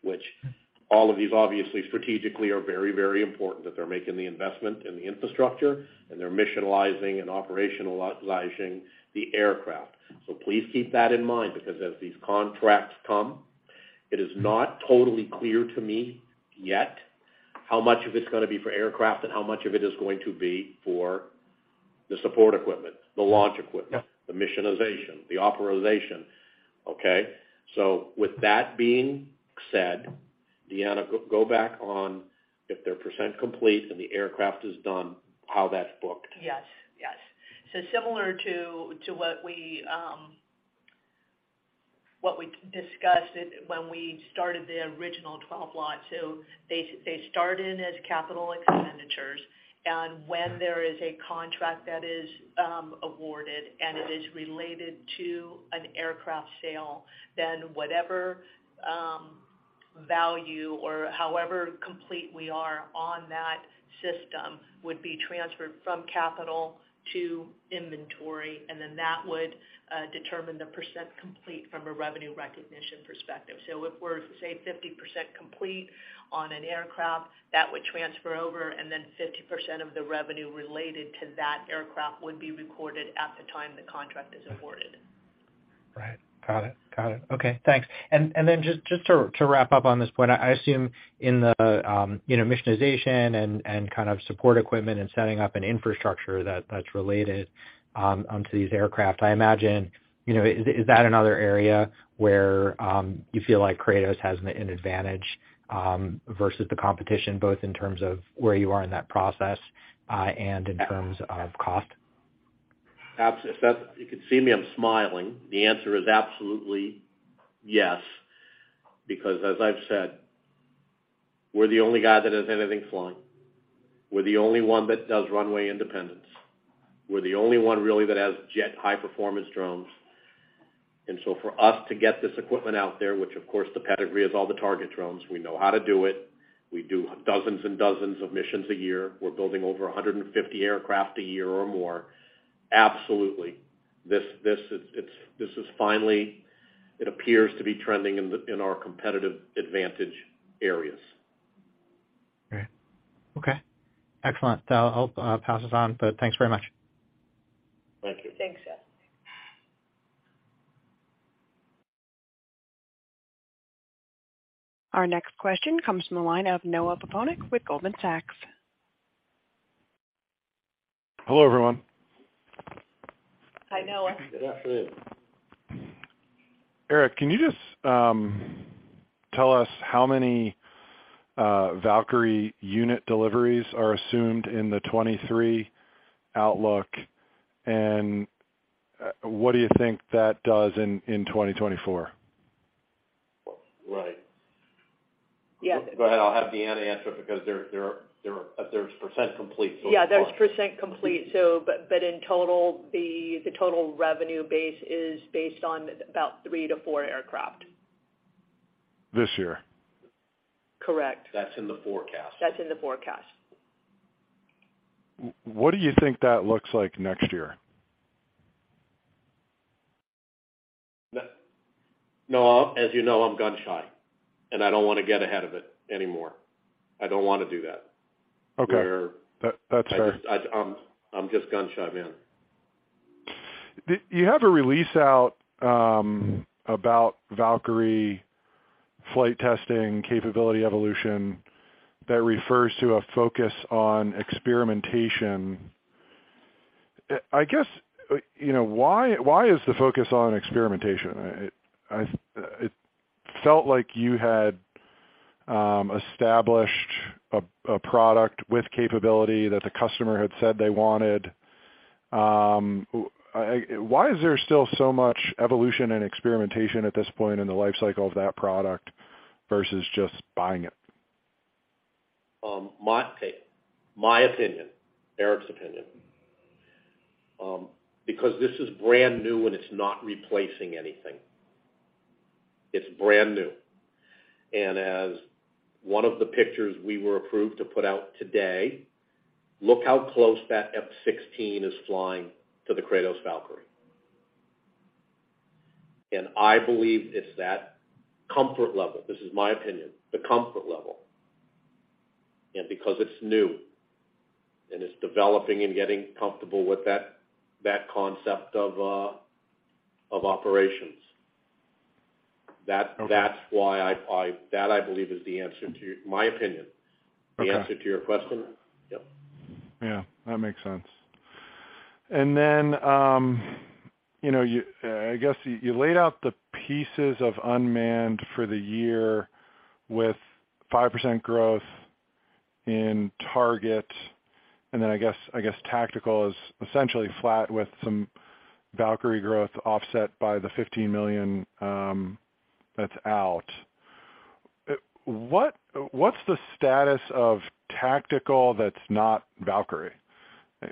Which all of these obviously strategically are very, very important, that they're making the investment in the infrastructure, and they're missionizing and operationalizing the aircraft. So please keep that in mind because as these contracts come, it is not totally clear to me yet how much of it's gonna be for aircraft and how much of it is going to be for the support equipment, the launch equipment- Yeah. The missionization, the authorization. Okay? With that being said, Deanna, go back on if they're % complete and the aircraft is done, how that's booked. Yes. Yes. Similar to what we discussed when we started the original 12 lot. They started as capital expenditures, and when there is a contract that is awarded and it is related to an aircraft sale, then whatever value or however complete we are on that system would be transferred from capital to inventory, and then that would determine the % complete from a revenue recognition perspective. If we're, say, 50% complete on an aircraft, that would transfer over, and then 50% of the revenue related to that aircraft would be recorded at the time the contract is awarded. Right. Got it. Okay. Thanks. Then just to wrap up on this point, I assume in the, you know, missionization and kind of support equipment and setting up an infrastructure that's related to these aircraft, I imagine, you know, is that another area where you feel like Kratos has an advantage versus the competition, both in terms of where you are in that process, and in terms of cost? If you could see me, I'm smiling. The answer is absolutely yes, because as I've said, we're the only guy that has anything flying. We're the only one that does runway independence. We're the only one really that has jet high performance drones. For us to get this equipment out there, which of course the pedigree is all the target drones, we know how to do it. We do dozens of missions a year. We're building over 150 aircraft a year or more. Absolutely. This is finally, it appears to be trending in our competitive advantage areas. Okay. Excellent. I'll pass this on, but thanks very much. Thank you. Thanks, Seth. Our next question comes from the line of Noah Poponak with Goldman Sachs. Hello, everyone. Hi, Noah. Good afternoon. Eric, can you just tell us how many Valkyrie unit deliveries are assumed in the 2023 outlook, and what do you think that does in 2024? Right. Yeah. Go ahead. I'll have Deanna answer it because there are... There's % complete, so it's- There's % complete. In total, the total revenue base is based on about 3-4 aircraft. This year? Correct. That's in the forecast. That's in the forecast. What do you think that looks like next year? Noah, as you know, I'm gun-shy, and I don't wanna get ahead of it anymore. I don't wanna do that. Okay. Where- That, that's fair. I'm just gun-shy, man. You have a release out, about Valkyrie flight testing capability evolution that refers to a focus on experimentation. I guess, you know, why is the focus on experimentation? It felt like you had established a product with capability that the customer had said they wanted. Why is there still so much evolution and experimentation at this point in the life cycle of that product versus just buying it? My opinion, Eric's opinion. This is brand new, and it's not replacing anything. It's brand new. As 1 of the pictures we were approved to put out today, look how close that F-16 is flying to the Kratos Valkyrie. I believe it's that comfort level. This is my opinion, the comfort level, because it's new, and it's developing and getting comfortable with that concept of operations. Okay. That's why I. That, I believe, is the answer to. My opinion. Okay. The answer to your question. Yep. Yeah. That makes sense. you know, you, I guess you laid out the pieces of unmanned for the year with 5% growth in Target. I guess Tactical is essentially flat with some Valkyrie growth offset by the $15 million that's out. What's the status of Tactical that's not Valkyrie?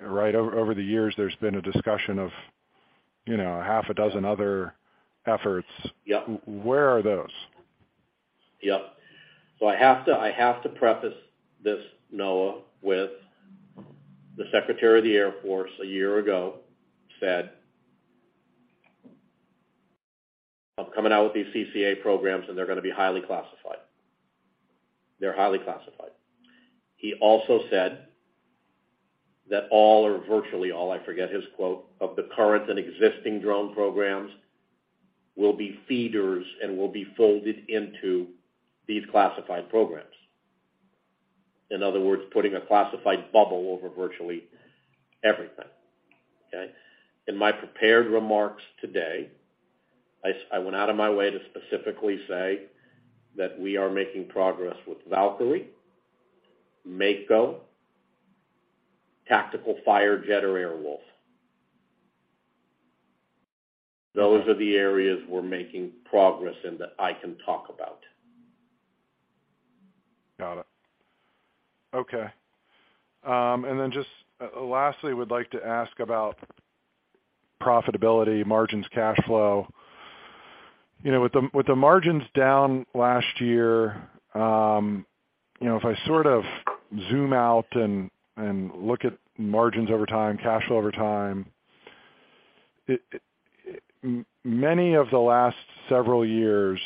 Right? Over the years, there's been a discussion of, you know, half a dozen other efforts. Yep. Where are those? Yep. I have to preface this, Noah, with the Secretary of the Air Force a year ago said, I'm coming out with these CCA programs, and they're gonna be highly classified. They're highly classified. He also said that all or virtually all, I forget his quote, of the current and existing drone programs will be feeders and will be folded into these classified programs. In other words, putting a classified bubble over virtually everything. Okay? In my prepared remarks today, I went out of my way to specifically say that we are making progress with Valkyrie, Mako, Tactical Firejet, or Airwolf. Those are the areas we're making progress in that I can talk about. Got it. Okay. Lastly, we'd like to ask about profitability, margins, cash flow. You know, with the margins down last year, you know, if I sort of zoom out and look at margins over time, cash flow over time, many of the last several years,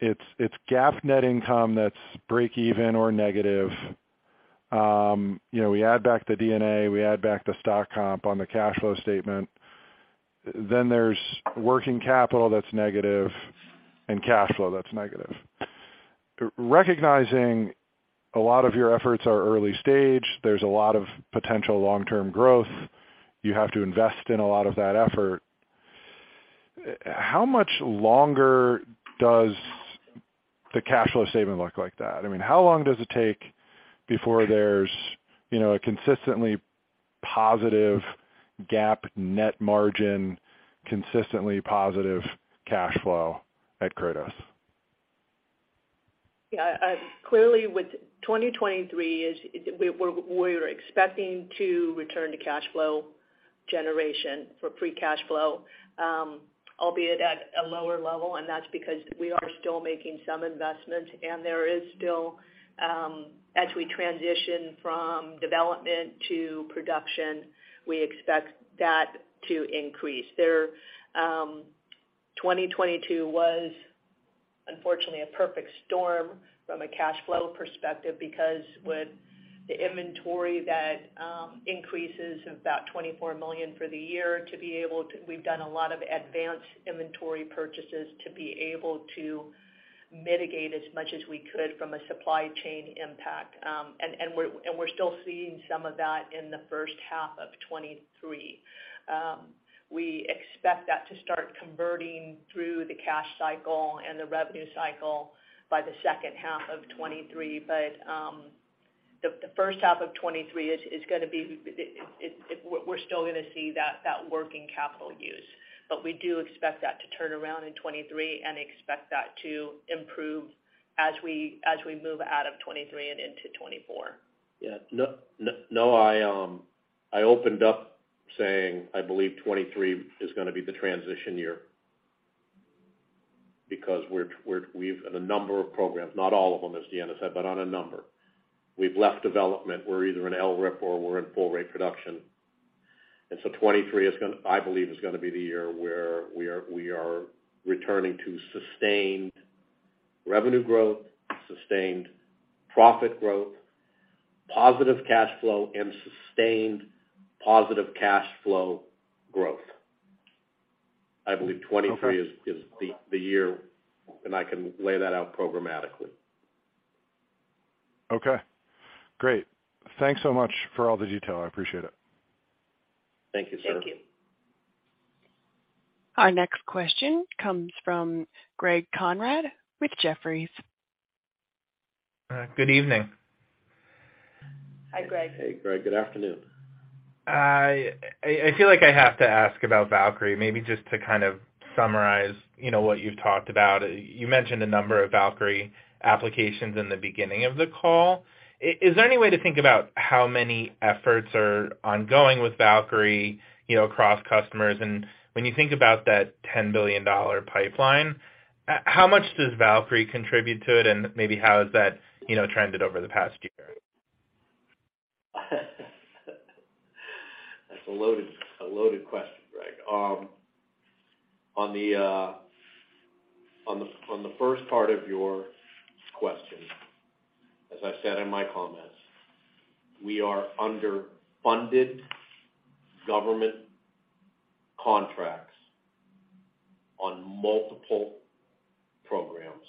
it's GAAP net income that's breakeven or negative. You know, we add back the D&A, we add back the stock comp on the cash flow statement. There's working capital that's negative and cash flow that's negative. Recognizing a lot of your efforts are early stage, there's a lot of potential long-term growth. You have to invest in a lot of that effort. How much longer does the cash flow statement look like that? I mean, how long does it take before there's, you know, a consistently positive GAAP net margin, consistently positive cash flow at Kratos? Yeah. Clearly, with 2023 is we're expecting to return to cash flow generation for free cash flow, albeit at a lower level, and that's because we are still making some investments, and there is still, as we transition from development to production, we expect that to increase. There, 2022 was unfortunately a perfect storm from a cash flow perspective because with the inventory that, increases of about $24 million for the year we've done a lot of advanced inventory purchases to be able to mitigate as much as we could from a supply chain impact. We're still seeing some of that in the first half of 2023. We expect that to start converting through the cash cycle and the revenue cycle by the second half of 2023. The first half of 2023, we're still gonna see that working capital use. We do expect that to turn around in 2023 and expect that to improve as we move out of 2023 and into 2024. Yeah. No, no. I opened up saying I believe 23 is gonna be the transition year because we've had a number of programs, not all of them, as Deanna said, but on a number. We've left development. We're either in LRIP or we're in full rate production. 23 is gonna, I believe, is gonna be the year where we are returning to sustained revenue growth, sustained profit growth, positive cash flow, and sustained positive cash flow growth. I believe 23 is the year, and I can lay that out programmatically. Okay, great. Thanks so much for all the detail. I appreciate it. Thank you, sir. Thank you. Our next question comes from Greg Konrad with Jefferies. Good evening. Hi, Greg. Hey, Greg. Good afternoon. I feel like I have to ask about Valkyrie, maybe just to kind of summarize, you know, what you've talked about. You mentioned a number of Valkyrie applications in the beginning of the call. Is there any way to think about how many efforts are ongoing with Valkyrie, you know, across customers? When you think about that $10 billion pipeline, how much does Valkyrie contribute to it, and maybe how has that, you know, trended over the past year? That's a loaded question, Greg. On the first part of your question, as I said in my comments, we are under funded government contracts on multiple programs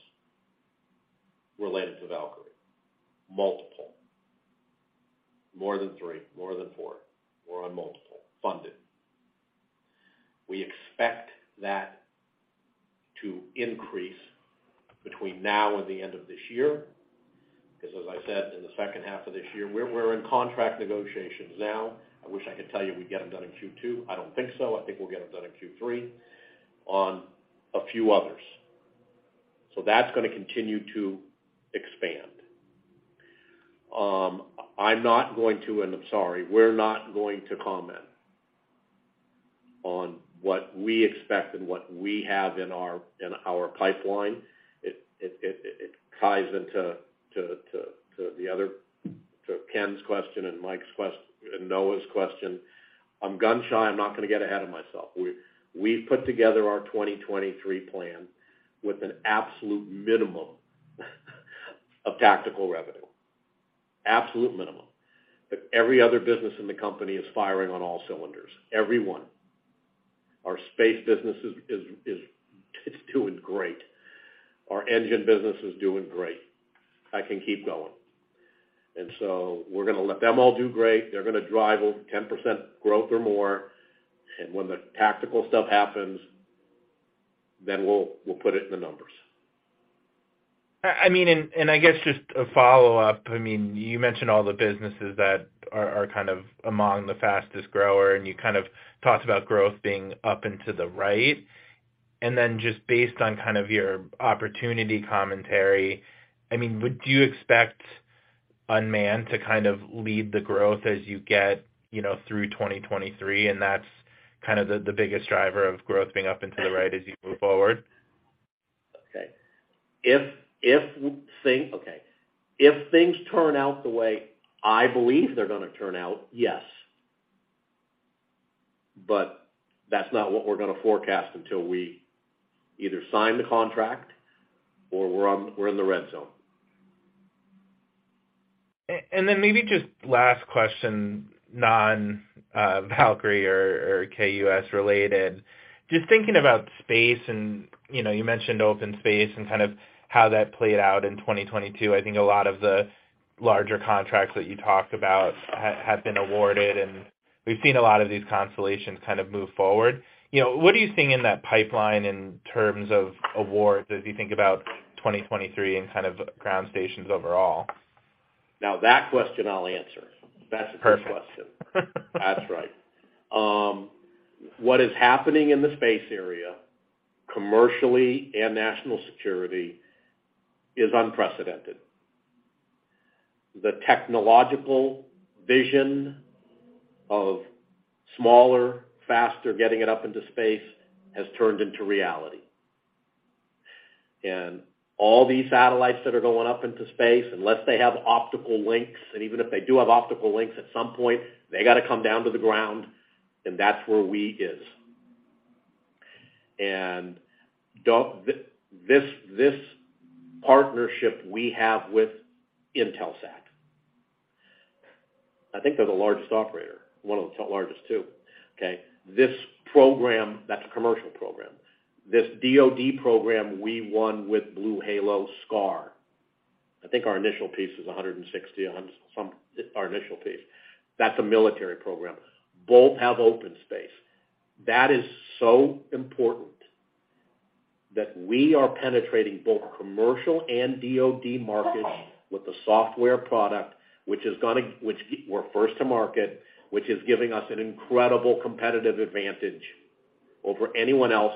related to Valkyrie. Multiple. More than 3, more than 4. We're on multiple. Funded. We expect that to increase between now and the end of this year. 'Cause as I said, in the second half of this year, we're in contract negotiations now. I wish I could tell you we'd get them done in Q2. I don't think so. I think we'll get them done in Q3 on a few others. That's gonna continue to expand. I'm not going to, and I'm sorry, we're not going to comment on what we expect and what we have in our pipeline. It ties into Ken's question and Mike's question and Noah's question. I'm gun-shy, I'm not gonna get ahead of myself. We've put together our 2023 plan with an absolute minimum of tactical revenue. Absolute minimum. Every other business in the company is firing on all cylinders. Every one. Our space business is, it's doing great. Our engine business is doing great. I can keep going. We're gonna let them all do great. They're gonna drive over 10% growth or more. When the tactical stuff happens, then we'll put it in the numbers. I mean, I guess just a follow-up. I mean, you mentioned all the businesses that are kind of among the fastest growers, and you kind of talked about growth being up into the right. Just based on kind of your opportunity commentary, I mean, would you expect unmanned to kind of lead the growth as you get, you know, through 2023, and that's kind of the biggest driver of growth being up into the right as you move forward? If things turn out the way I believe they're gonna turn out, yes. That's not what we're gonna forecast until we either sign the contract or we're in the red zone. Then maybe just last question, non-Valkyrie or KUS-related. Just thinking about space and, you know, you mentioned OpenSpace and kind of how that played out in 2022. I think a lot of the larger contracts that you talked about have been awarded, and we've seen a lot of these constellations kind of move forward. You know, what are you seeing in that pipeline in terms of awards as you think about 2023 and kind of ground stations overall? That question I'll answer. Perfect. That's a good question. That's right. What is happening in the space area, commercially and national security, is unprecedented. All these satellites that are going up into space, unless they have optical links, and even if they do have optical links, at some point, they gotta come down to the ground, and that's where we is. This partnership we have with Intelsat. I think they're the largest operator, 1 of the largest 2. Okay? This program, that's a commercial program. This DoD program we won with BlueHalo SCAR. I think our initial piece is 160, some... Our initial piece. That's a military program. Both have OpenSpace. That is so important that we are penetrating both commercial and DoD markets with the software product, which we're first to market, which is giving us an incredible competitive advantage over anyone else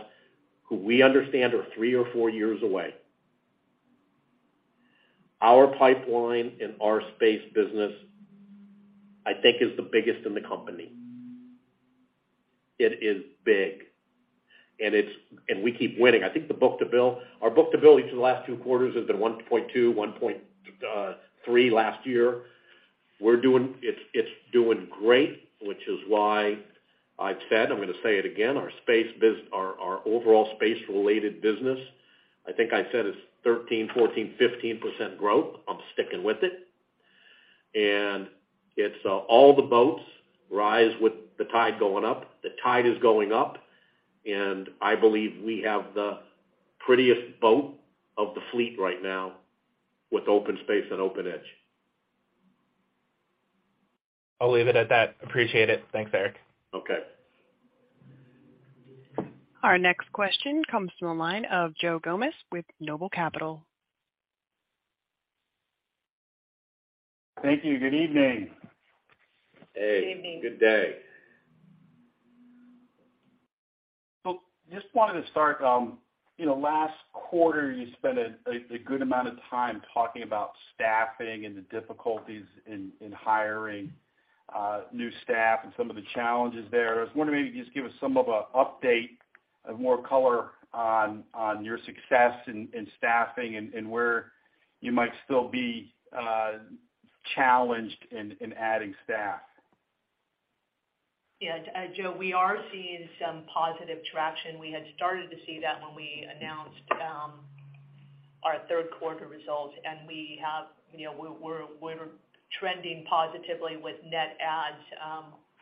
who we understand are 3 or 4 years away. Our pipeline and our space business, I think, is the biggest in the company. It is big, and we keep winning. I think our book to bill each of the last 2 quarters has been 1.2, 1.3 last year. It's doing great, which is why I've said, I'm gonna say it again, our overall space-related business, I think I said it's 13%, 14%, 15% growth. I'm sticking with it. It's all the boats rise with the tide going up. The tide is going up, and I believe we have the prettiest boat of the fleet right now with OpenSpace and OpenEdge. I'll leave it at that. Appreciate it. Thanks, Eric. Okay. Our next question comes from the line of Joe Gomes with Noble Capital Markets. Thank you. Good evening. Hey. Good evening. Good day. Just wanted to start, you know, last quarter, you spent a good amount of time talking about staffing and the difficulties in hiring, new staff and some of the challenges there. I was wondering if you could just give us some of a update of more color on your success in staffing and where you might still be challenged in adding staff? Joe, we are seeing some positive traction. We had started to see that when we announced our third quarter results, you know, we're trending positively with net adds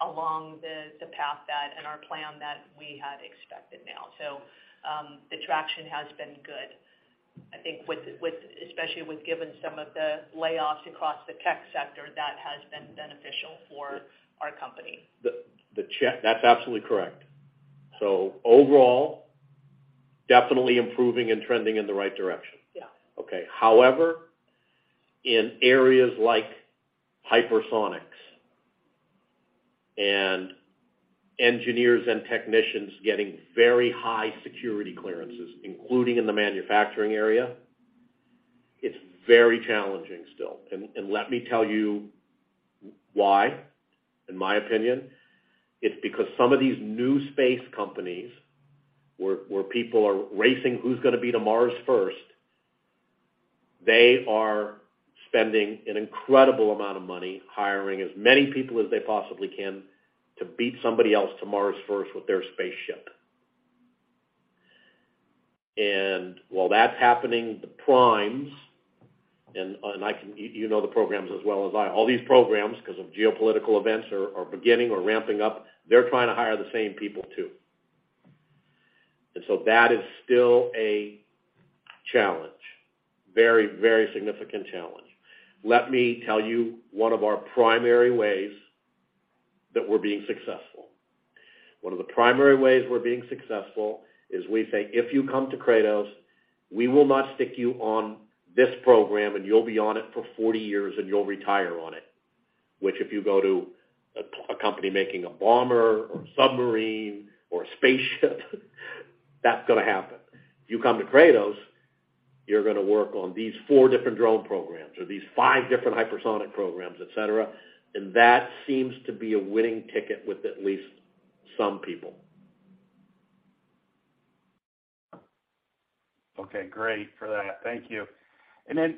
along the path that and our plan that we had expected now. The traction has been good. I think with especially with given some of the layoffs across the tech sector, that has been beneficial for our company. That's absolutely correct. Overall, definitely improving and trending in the right direction. Yeah. In areas like hypersonics and engineers and technicians getting very high security clearances, including in the manufacturing area, it's very challenging still. Let me tell you why, in my opinion. It's because some of these new space companies, where people are racing who's going to be to Mars first. They are spending an incredible amount of money hiring as many people as they possibly can to beat somebody else to Mars first with their spaceship. While that's happening, the primes and you know the programs as well as I. All these programs, because of geopolitical events, are beginning or ramping up. They're trying to hire the same people, too. That is still a challenge. Very significant challenge. Let me tell you one of our primary ways that we're being successful. One of the primary ways we're being successful is we say, "If you come to Kratos, we will not stick you on this program, and you'll be on it for 40 years, and you'll retire on it." Which if you go to a company making a bomber or a submarine or a spaceship, that's gonna happen. If you come to Kratos, you're gonna work on these 4 different drone programs or these 5 different hypersonic programs, et cetera. That seems to be a winning ticket with at least some people. Okay. Great for that. Thank you. You know,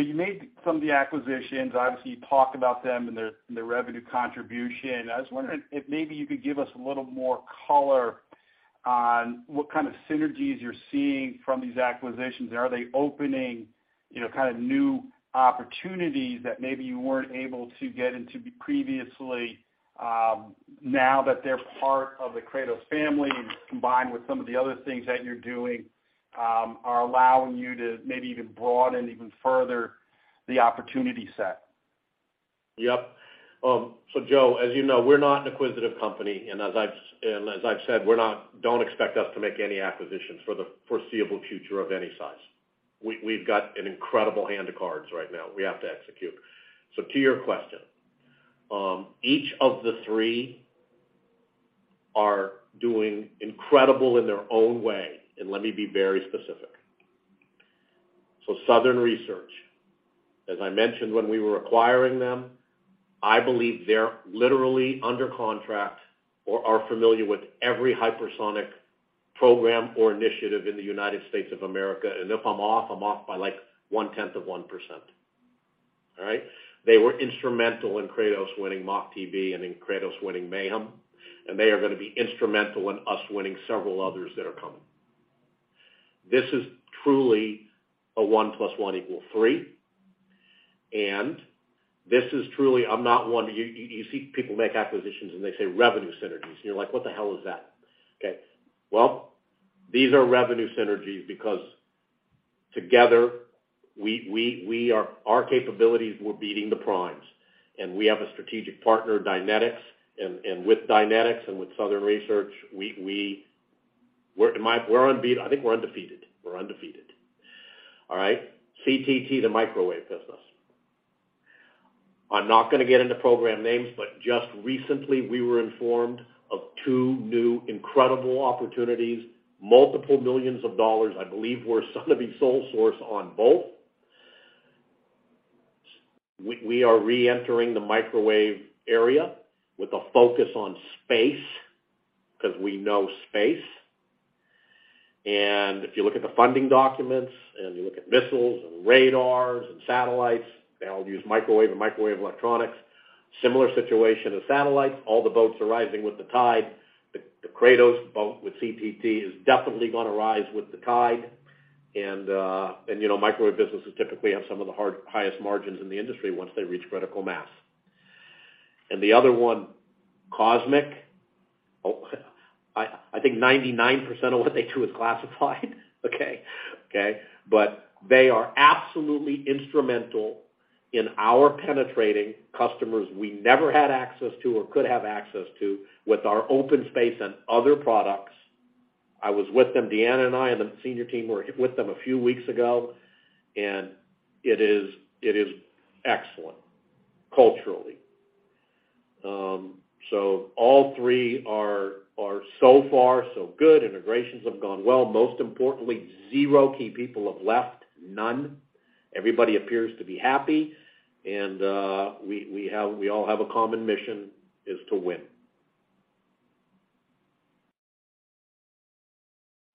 you made some of the acquisitions. Obviously, you talked about them and their revenue contribution. I was wondering if maybe you could give us a little more color on what kind of synergies you're seeing from these acquisitions. Are they opening, you know, kind of new opportunities that maybe you weren't able to get into previously, now that they're part of the Kratos family and combined with some of the other things that you're doing, are allowing you to maybe even broaden even further the opportunity set? Yep. Joe, as you know, we're not an acquisitive company. As I've said, we don't expect us to make any acquisitions for the foreseeable future of any size. We, we've got an incredible hand of cards right now we have to execute. To your question, each of the three are doing incredible in their own way, and let me be very specific. Southern Research, as I mentioned when we were acquiring them, I believe they're literally under contract or are familiar with every hypersonic program or initiative in the United States of America. If I'm off, I'm off by, like, 1/10 of 1%. All right? They were instrumental in Kratos winning Mach-TB and in Kratos winning Mayhem, and they are gonna be instrumental in us winning several others that are coming. This is truly a 1+1=3. This is truly. I'm not one. You see people make acquisitions, and they say revenue synergies, and you're like, "What the hell is that?" Okay. Well, these are revenue synergies because together we are our capabilities, we're beating the primes. We have a strategic partner, Dynetics. With Dynetics and with Southern Research, we're unbeat. I think we're undefeated. We're undefeated. All right? CTT, the microwave business. I'm not gonna get into program names, but just recently we were informed of 2 new incredible opportunities, multiple millions of dollars. I believe we're gonna be sole source on both. We are reentering the microwave area with a focus on space 'cause we know space. If you look at the funding documents and you look at missiles and radars and satellites, they all use microwave and microwave electronics. Similar situation as satellites, all the boats are rising with the tide. The Kratos boat with CTT is definitely gonna rise with the tide. You know, microwave businesses typically have some of the highest margins in the industry once they reach critical mass. The other one, Cosmic. I think 99% of what they do is classified. Okay. Okay. They are absolutely instrumental in our penetrating customers we never had access to or could have access to with our OpenSpace and other products. I was with them, Deanna and I and the senior team were with them a few weeks ago. It is excellent culturally. All 3 are so far, so good. Integrations have gone well. Most importantly, zero key people have left. None. Everybody appears to be happy and we all have a common mission, is to win.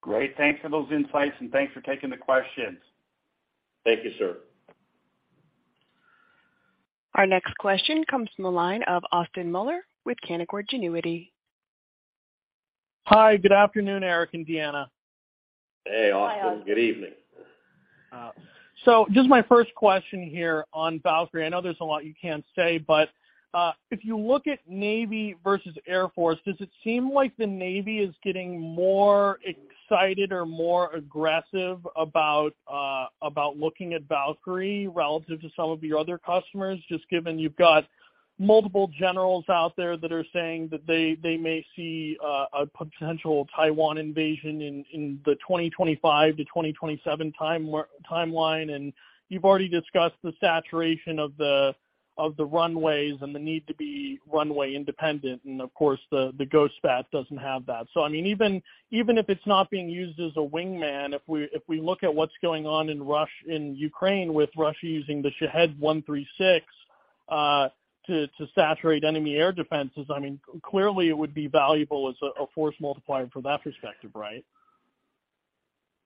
Great. Thanks for those insights and thanks for taking the questions. Thank you, sir. Our next question comes from the line of Austin Moeller with Canaccord Genuity. Hi, good afternoon, Eric and Deanna. Hey, Austin. Hi, Austin. Good evening. Just my first question here on Valkyrie. I know there's a lot you can't say, but if you look at Navy versus Air Force, does it seem like the Navy is getting more excited or more aggressive about looking at Valkyrie relative to some of your other customers? Just given you've got multiple generals out there that are saying that they may see a potential Taiwan invasion in the 2025-2027 timeline. You've already discussed the saturation of the runways and the need to be runway independent. Of course, the Ghost Bat doesn't have that. I mean, even if it's not being used as a wingman, if we look at what's going on in Ukraine with Russia using the Shahed 136, to saturate enemy air defenses. I mean, clearly it would be valuable as a force multiplier from that perspective, right?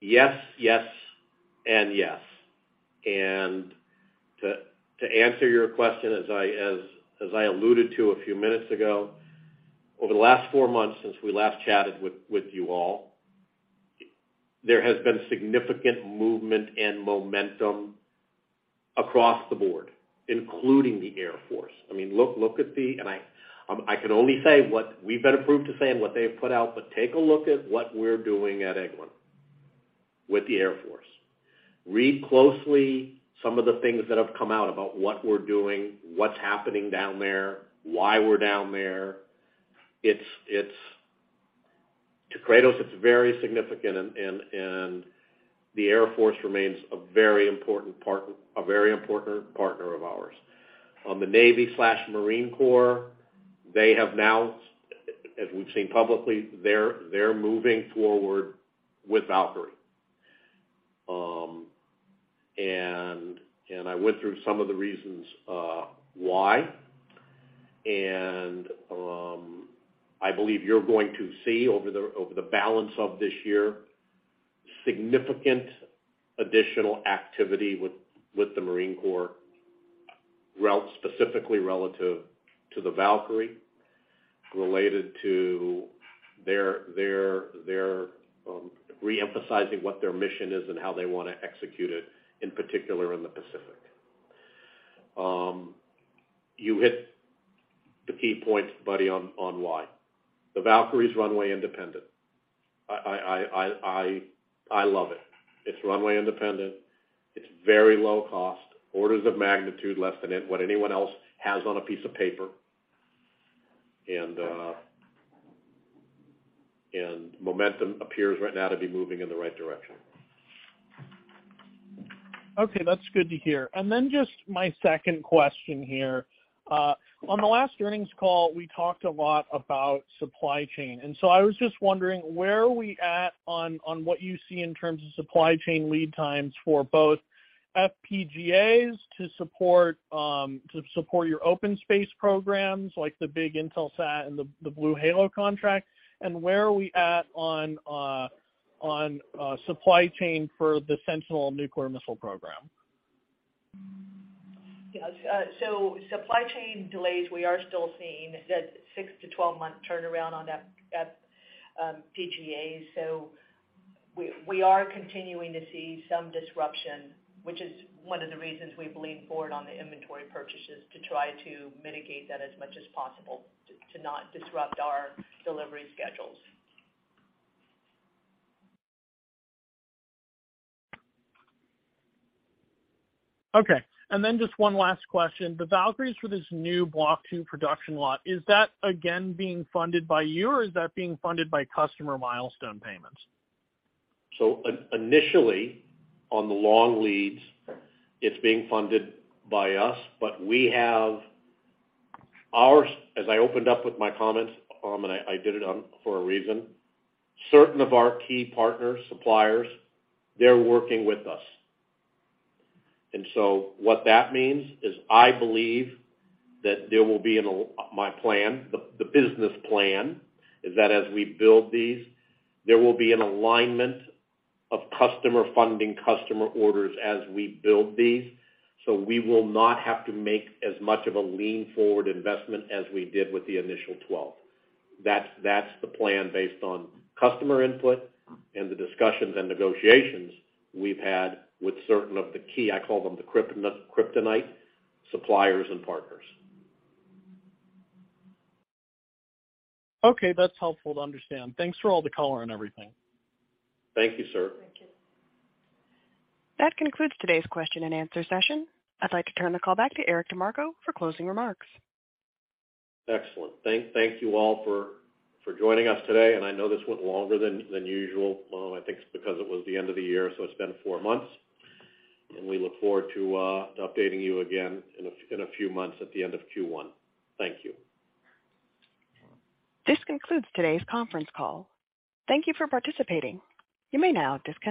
Yes, yes, and yes. To answer your question, as I alluded to a few minutes ago, over the last 4 months since we last chatted with you all, there has been significant movement and momentum across the board, including the Air Force. I mean, look at the. I can only say what we've been approved to say and what they've put out, but take a look at what we're doing at Eglin with the Air Force. Read closely some of the things that have come out about what we're doing, what's happening down there, why we're down there. It's. To Kratos, it's very significant and the Air Force remains a very important partner of ours. On the Navy/Marine Corps, they have now, as we've seen publicly, they're moving forward with Valkyrie. I went through some of the reasons why. I believe you're going to see over the balance of this year, significant additional activity with the Marine Corps specifically relative to the Valkyrie, related to their re-emphasizing what their mission is and how they wanna execute it, in particular in the Pacific. You hit the key points, Buddy, on why. The Valkyrie's runway independent. I love it. It's runway independent. It's very low cost, orders of magnitude less than what anyone else has on a piece of paper. Momentum appears right now to be moving in the right direction. Okay, that's good to hear. Just my second question here. On the last earnings call, we talked a lot about supply chain, and so I was just wondering where are we at on what you see in terms of supply chain lead times for both FPGAs to support your OpenSpace programs like the big Intelsat and the BlueHalo contract, and where are we at on supply chain for the Sentinel nuclear missile program? Yes. Supply chain delays, we are still seeing that 6 to 12 month turnaround on FPGAs. We are continuing to see some disruption, which is one of the reasons we've leaned forward on the inventory purchases to try to mitigate that as much as possible to not disrupt our delivery schedules. Okay. Just 1 last question. The Valkyries for this new Block 2 production lot, is that again being funded by you, or is that being funded by customer milestone payments? Initially, on the long leads, it's being funded by us, but as I opened up with my comments, and I did it for a reason, certain of our key partners, suppliers, they're working with us. What that means is I believe that there will be an, my plan, the business plan is that as we build these, there will be an alignment of customer funding, customer orders as we build these. We will not have to make as much of a lean forward investment as we did with the initial 12. That's the plan based on customer input and the discussions and negotiations we've had with certain of the key, I call them the kryptonite suppliers and partners. Okay, that's helpful to understand. Thanks for all the color and everything. Thank you, sir. Thank you. That concludes today's question and answer session. I'd like to turn the call back to Eric DeMarco for closing remarks. Excellent. Thank you all for joining us today. I know this went longer than usual. I think it's because it was the end of the year, so it's been 4 months. We look forward to updating you again in a few months at the end of Q1. Thank you. This concludes today's conference call. Thank you for participating. You may now disconnect.